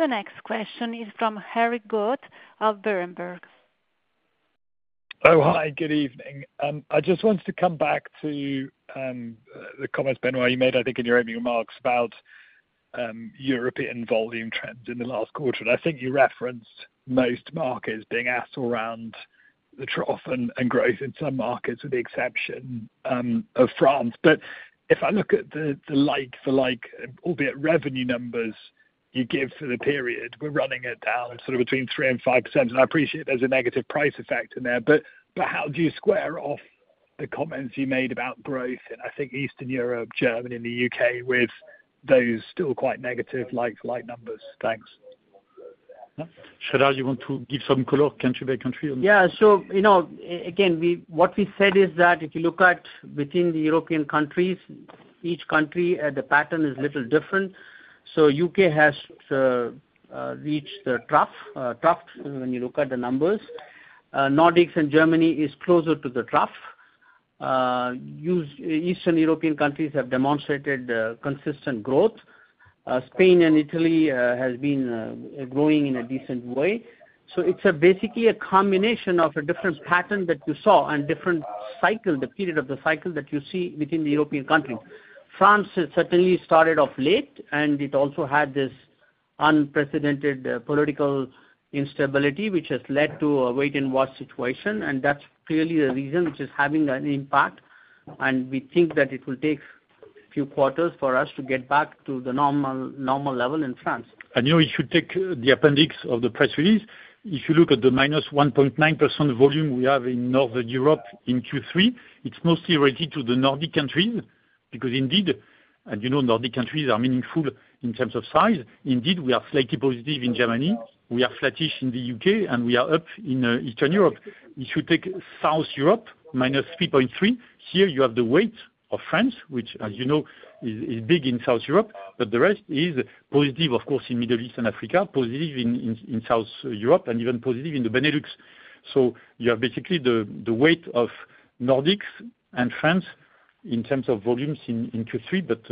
The next question is from Harry Goad of Berenberg. Oh, hi. Good evening. I just wanted to come back to the comments, Benoît, you made, I think, in your opening remarks about European volume trends in the last quarter. I think you referenced most markets being at or around the trough and growth in some markets, with the exception of France. But if I look at the like-for-like, albeit revenue numbers you give for the period, we're running around down sort of between 3% and 5%. And I appreciate there's a negative price effect in there. But how do you square the comments you made about growth in, I think, Eastern Europe, Germany, and the U.K., with those still quite negative like-for-like numbers? Thanks. Sreedhar, you want to give some color, country by country? Yeah. So, again, what we said is that if you look at within the European countries, each country, the pattern is a little different. So, the U.K. has reached the trough when you look at the numbers. Nordics and Germany are closer to the trough. Eastern European countries have demonstrated consistent growth. Spain and Italy have been growing in a decent way. So, it's basically a combination of a different pattern that you saw and different cycle, the period of the cycle that you see within the European countries. France certainly started off late, and it also had this unprecedented political instability, which has led to a wait-and-watch situation. And that's clearly the reason which is having an impact. And we think that it will take a few quarters for us to get back to the normal level in France. You know it should take the appendix of the press release. If you look at the -1.9% volume we have in Northern Europe in Q3, it's mostly related to the Nordic countries because, indeed, and you know Nordic countries are meaningful in terms of size. Indeed, we are slightly positive in Germany. We are flattish in the U.K., and we are up in Eastern Europe. It should take South Europe minus 3.3%. Here, you have the weight of France, which, as you know, is big in South Europe. But the rest is positive, of course, in Middle East and Africa, positive in South Europe, and even positive in the Benelux. So, you have basically the weight of Nordics and France in terms of volumes in Q3. But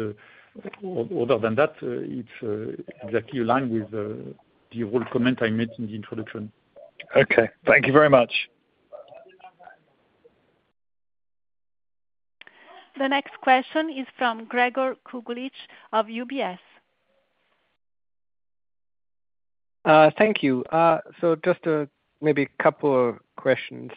other than that, it's exactly aligned with the overall comment I made in the introduction. Okay. Thank you very much. The next question is from Gregor Kuglitsch of UBS. Thank you. So, just maybe a couple of questions.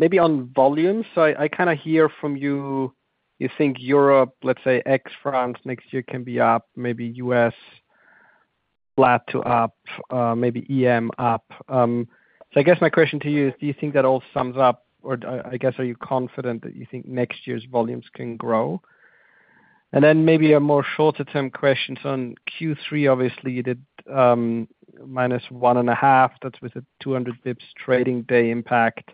Maybe on volumes, so I kind of hear from you, you think Europe, let's say ex France next year can be up, maybe U.S. flat to up, maybe EM up. So, I guess my question to you is, do you think that all sums up, or I guess, are you confident that you think next year's volumes can grow? And then maybe a more shorter-term question. So, in Q3, obviously, you did minus one and a half. That's with a 200 basis points trading day impact.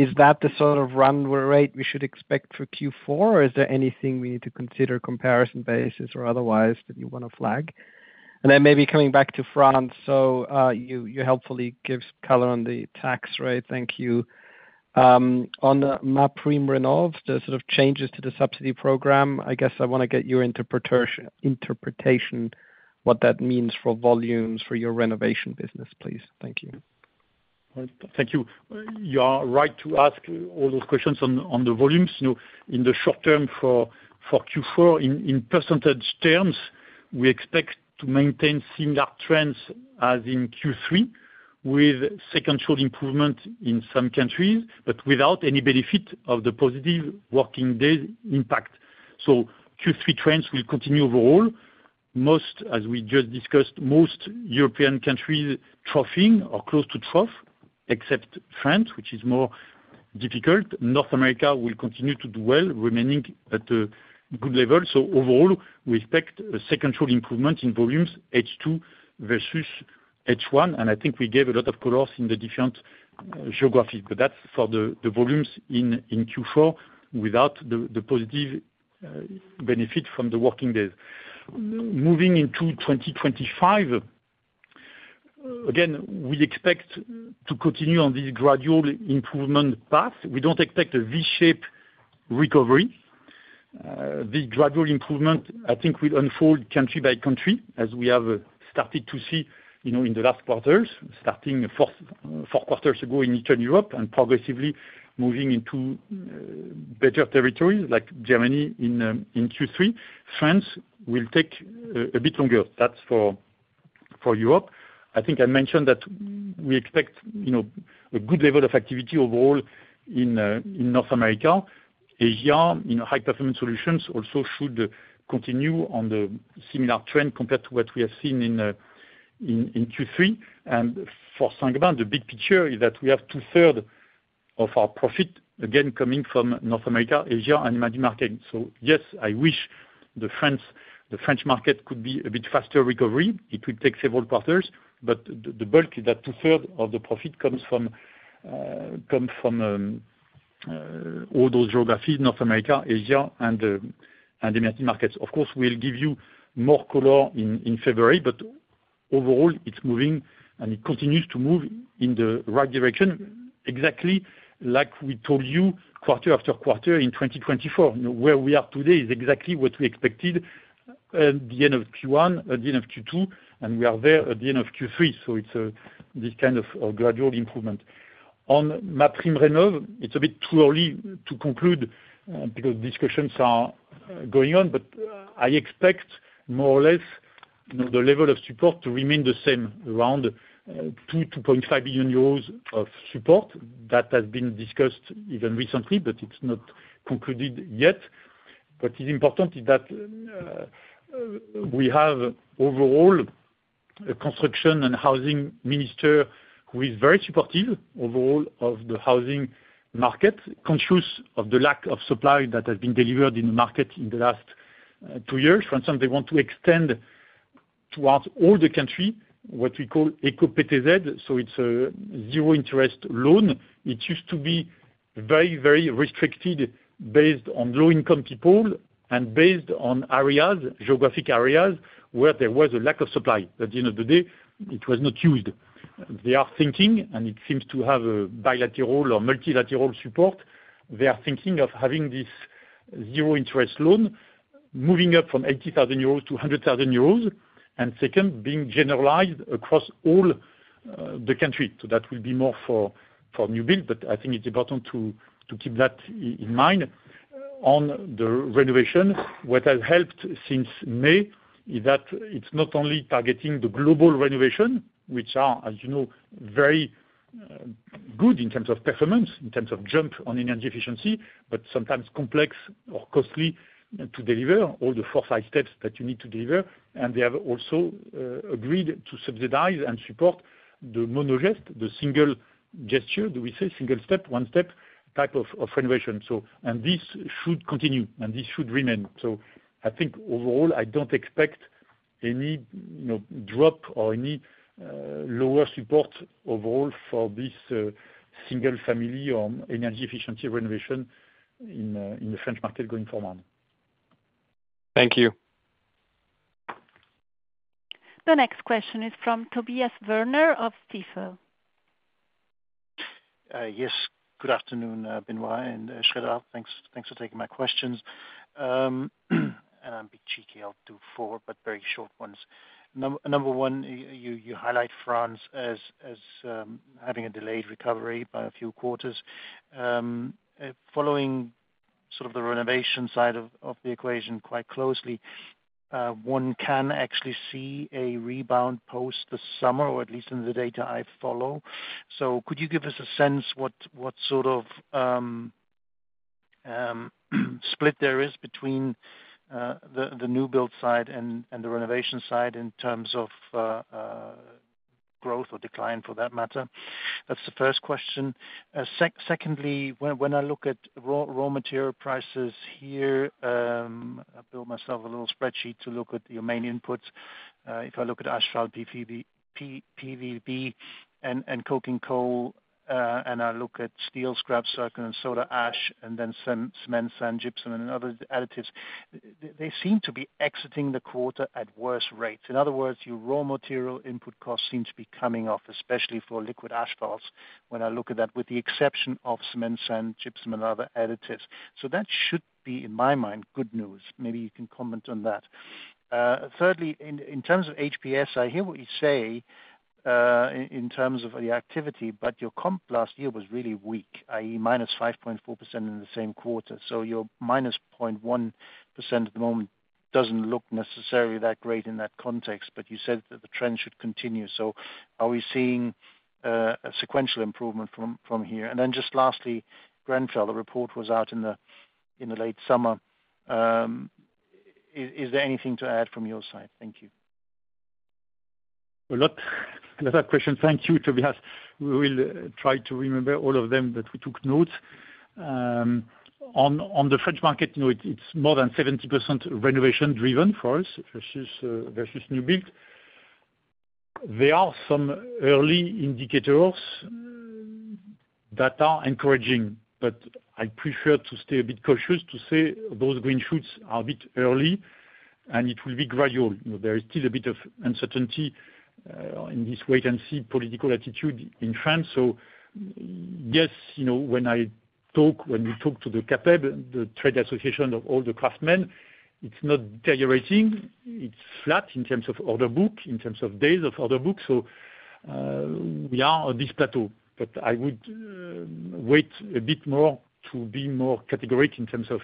Is that the sort of run rate we should expect for Q4? Or is there anything we need to consider comparison basis or otherwise that you want to flag? And then maybe coming back to France. So, you helpfully give some color on the tax rate. Thank you. On MaPrimeRénov', the sort of changes to the subsidy program, I guess I want to get your interpretation, what that means for volumes for your renovation business, please. Thank you. Thank you. You are right to ask all those questions on the volumes. In the short term for Q4, in percentage terms, we expect to maintain similar trends as in Q3, with second-half improvement in some countries, but without any benefit of the positive working day impact, so Q3 trends will continue overall. Most, as we just discussed, most European countries troughing or close to trough, except France, which is more difficult. North America will continue to do well, remaining at a good level, so overall, we expect a second-half improvement in volumes, H2 versus H1, and I think we gave a lot of colors in the different geographies, but that's for the volumes in Q4 without the positive benefit from the working days. Moving into 2025, again, we expect to continue on this gradual improvement path. We don't expect a V-shape recovery. This gradual improvement, I think, will unfold country by country, as we have started to see in the last quarters, starting four quarters ago in Eastern Europe and progressively moving into better territories like Germany in Q3. France will take a bit longer. That's for Europe. I think I mentioned that we expect a good level of activity overall in North America. Asia, in high-performance solutions, also should continue on the similar trend compared to what we have seen in Q3. And for Saint-Gobain, the big picture is that we have two-thirds of our profit, again, coming from North America, Asia, and emerging markets. So, yes, I wish the French market could be a bit faster recovery. It would take several quarters. But the bulk is that two-thirds of the profit comes from all those geographies, North America, Asia, and emerging markets. Of course, we'll give you more color in February. But overall, it's moving, and it continues to move in the right direction, exactly like we told you quarter after quarter in 2024. Where we are today is exactly what we expected at the end of Q1, at the end of Q2, and we are there at the end of Q3. So, it's this kind of gradual improvement. On MaPrimeRénov', it's a bit too early to conclude because discussions are going on. But I expect more or less the level of support to remain the same, around 2 billion-2.5 billion euros of support. That has been discussed even recently, but it's not concluded yet. What is important is that we have overall a construction and housing minister who is very supportive overall of the housing market, conscious of the lack of supply that has been delivered in the market in the last two years. For instance, they want to extend throughout all the country what we call Eco-PTZ. So, it's a zero-interest loan. It used to be very, very restricted based on low-income people and based on geographic areas where there was a lack of supply. At the end of the day, it was not used. They are thinking, and it seems to have a bilateral or multilateral support. They are thinking of having this zero-interest loan moving up from 80,000 euros to 100,000 euros, and second, being generalized across all the country. So, that will be more for new builds. But I think it's important to keep that in mind. On the renovation, what has helped since May is that it's not only targeting the global renovation, which are, as you know, very good in terms of performance, in terms of jump on energy efficiency, but sometimes complex or costly to deliver all the four or five steps that you need to deliver. And they have also agreed to subsidize and support the mono-geste, the single gesture, do we say, single step, one-step type of renovation. So, and this should continue, and this should remain. So, I think overall, I don't expect any drop or any lower support overall for this single-family or energy efficiency renovation in the French market going forward. Thank you. The next question is from Tobias Woerner of Stifel. Yes. Good afternoon, Benoît and Sreedhar. Thanks for taking my questions, and I'm a bit cheeky. I'll do four, but very short ones. Number one, you highlight France as having a delayed recovery by a few quarters. Following sort of the renovation side of the equation quite closely, one can actually see a rebound post the summer, or at least in the data I follow. So, could you give us a sense what sort of split there is between the new build side and the renovation side in terms of growth or decline, for that matter? That's the first question. Secondly, when I look at raw material prices here, I built myself a little spreadsheet to look at the main inputs. If I look at asphalt, PVB, and coke and coal, and I look at steel, scrap, circular, and soda ash, and then cement, sand, gypsum, and other additives, they seem to be exiting the quarter at worse rates. In other words, your raw material input costs seem to be coming off, especially for liquid asphalts, when I look at that, with the exception of cement, sand, gypsum, and other additives. So, that should be, in my mind, good news. Maybe you can comment on that. Thirdly, in terms of HPS, I hear what you say in terms of the activity, but your comp last year was really weak, i.e., minus 5.4% in the same quarter. So, your minus 0.1% at the moment doesn't look necessarily that great in that context. But you said that the trend should continue. So, are we seeing a sequential improvement from here? And then just lastly, Grenfell, the report was out in the late summer. Is there anything to add from your side? Thank you. Another question. Thank you, Tobias. We will try to remember all of them, but we took notes. On the French market, it's more than 70% renovation-driven for us versus new build. There are some early indicators that are encouraging. But I prefer to stay a bit cautious to say those green shoots are a bit early, and it will be gradual. There is still a bit of uncertainty in this wait-and-see political attitude in France. So, yes, when we talk to the CAPEB, the trade association of all the craftsmen, it's not deteriorating. It's flat in terms of order book, in terms of days of order book. So, we are on this plateau. But I would wait a bit more to be more categoric in terms of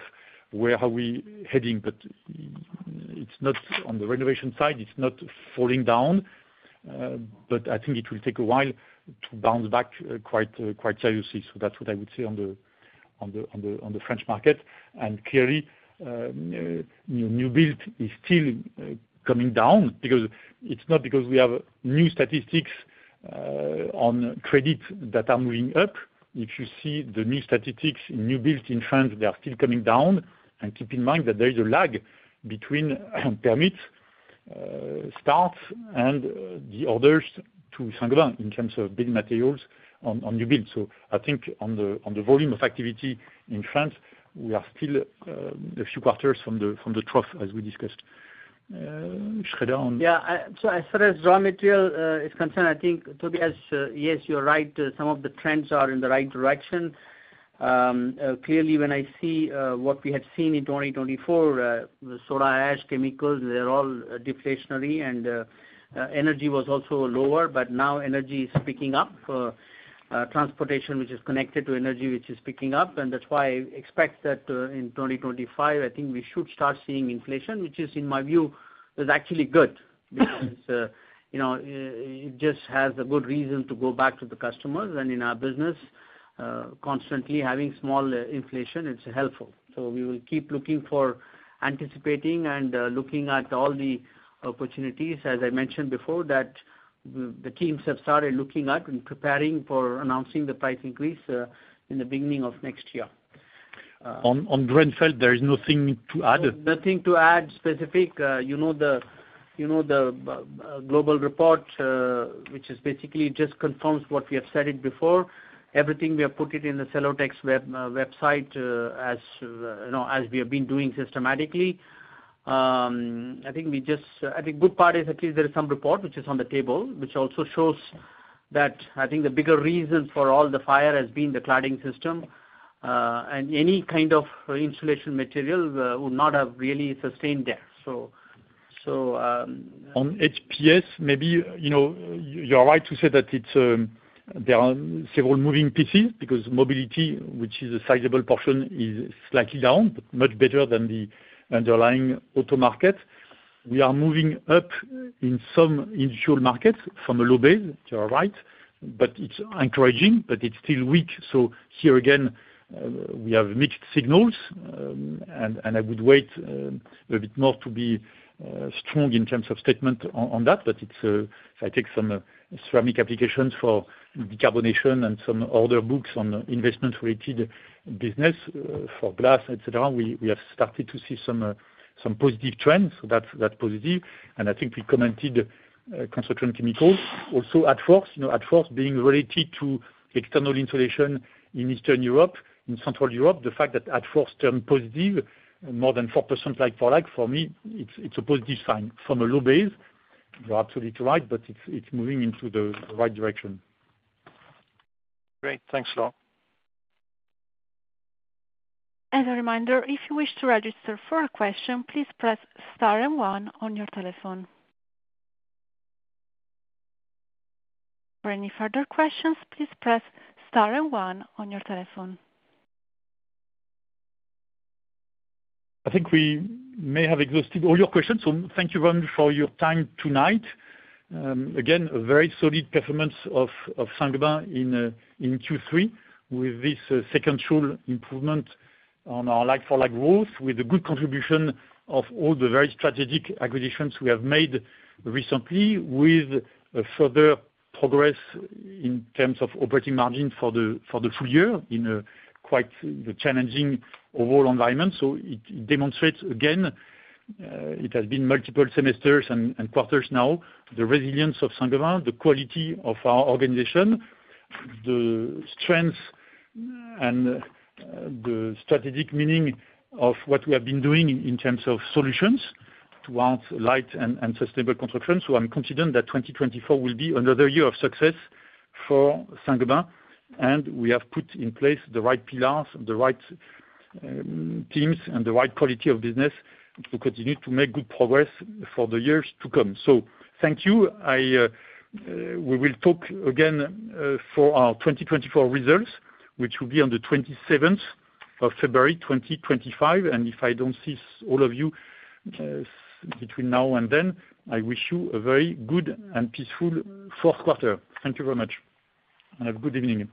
where are we heading. But on the renovation side, it's not falling down. But I think it will take a while to bounce back quite seriously. So, that's what I would say on the French market. And clearly, new build is still coming down because it's not because we have new statistics on credit that are moving up. If you see the new statistics in new build in France, they are still coming down. And keep in mind that there is a lag between permit start and the orders to Saint-Gobain in terms of building materials on new build. So, I think on the volume of activity in France, we are still a few quarters from the trough, as we discussed. Sreedhar. Yeah. So, as far as raw material is concerned, I think, Tobias, yes, you're right. Some of the trends are in the right direction. Clearly, when I see what we had seen in 2024, soda ash, chemicals, they're all deflationary. And energy was also lower. But now energy is picking up. Transportation, which is connected to energy, which is picking up. And that's why I expect that in 2025, I think we should start seeing inflation, which is, in my view, actually good because it just has a good reason to go back to the customers. And in our business, constantly having small inflation, it's helpful. So, we will keep looking for anticipating and looking at all the opportunities, as I mentioned before, that the teams have started looking at and preparing for announcing the price increase in the beginning of next year. On Grenfell, there is nothing to add? Nothing to add specific. You know, the global report, which basically just confirms what we have said before. Everything we have put in the Cellotex website as we have been doing systematically. I think a good part is at least there is some report, which is on the table, which also shows that I think the bigger reason for all the fire has been the cladding system. Any kind of insulation material would not have really sustained there. So. On HPS, maybe you're right to say that there are several moving pieces because mobility, which is a sizable portion, is slightly down, but much better than the underlying auto market. We are moving up in some industrial markets from a low base, too. You're right. But it's encouraging, but it's still weak. So, here again, we have mixed signals. And I would wait a bit more to be strong in terms of statement on that. But if I take some ceramic applications for decarbonation and some order books on investment-related business for glass, etc., we have started to see some positive trends. So, that's positive. And I think we commented construction chemicals. Also, ADFORS, ADFORS being related to external insulation in Eastern Europe, in Central Europe, the fact that ADFORS turned positive, more than 4% like-for-like, for me, it's a positive sign. From a low base, you're absolutely right, but it's moving into the right direction. Great. Thanks, Benoit. As a reminder, if you wish to register for a question, please press star and one on your telephone. For any further questions, please press star and one on your telephone. I think we may have exhausted all your questions. So, thank you very much for your time tonight. Again, a very solid performance of Saint-Gobain in Q3 with this second straight improvement on our like-for-like growth, with a good contribution of all the very strategic acquisitions we have made recently, with further progress in terms of operating margin for the full year in quite the challenging overall environment. So, it demonstrates again, it has been multiple semesters and quarters now, the resilience of Saint-Gobain, the quality of our organization, the strength and the strategic meaning of what we have been doing in terms of solutions towards light and sustainable construction. So, I'm confident that 2024 will be another year of success for Saint-Gobain. And we have put in place the right pillars, the right teams, and the right quality of business to continue to make good progress for the years to come. So, thank you. We will talk again for our 2024 results, which will be on the 27th of February, 2025. And if I don't see all of you between now and then, I wish you a very good and peaceful fourth quarter. Thank you very much. Have a good evening.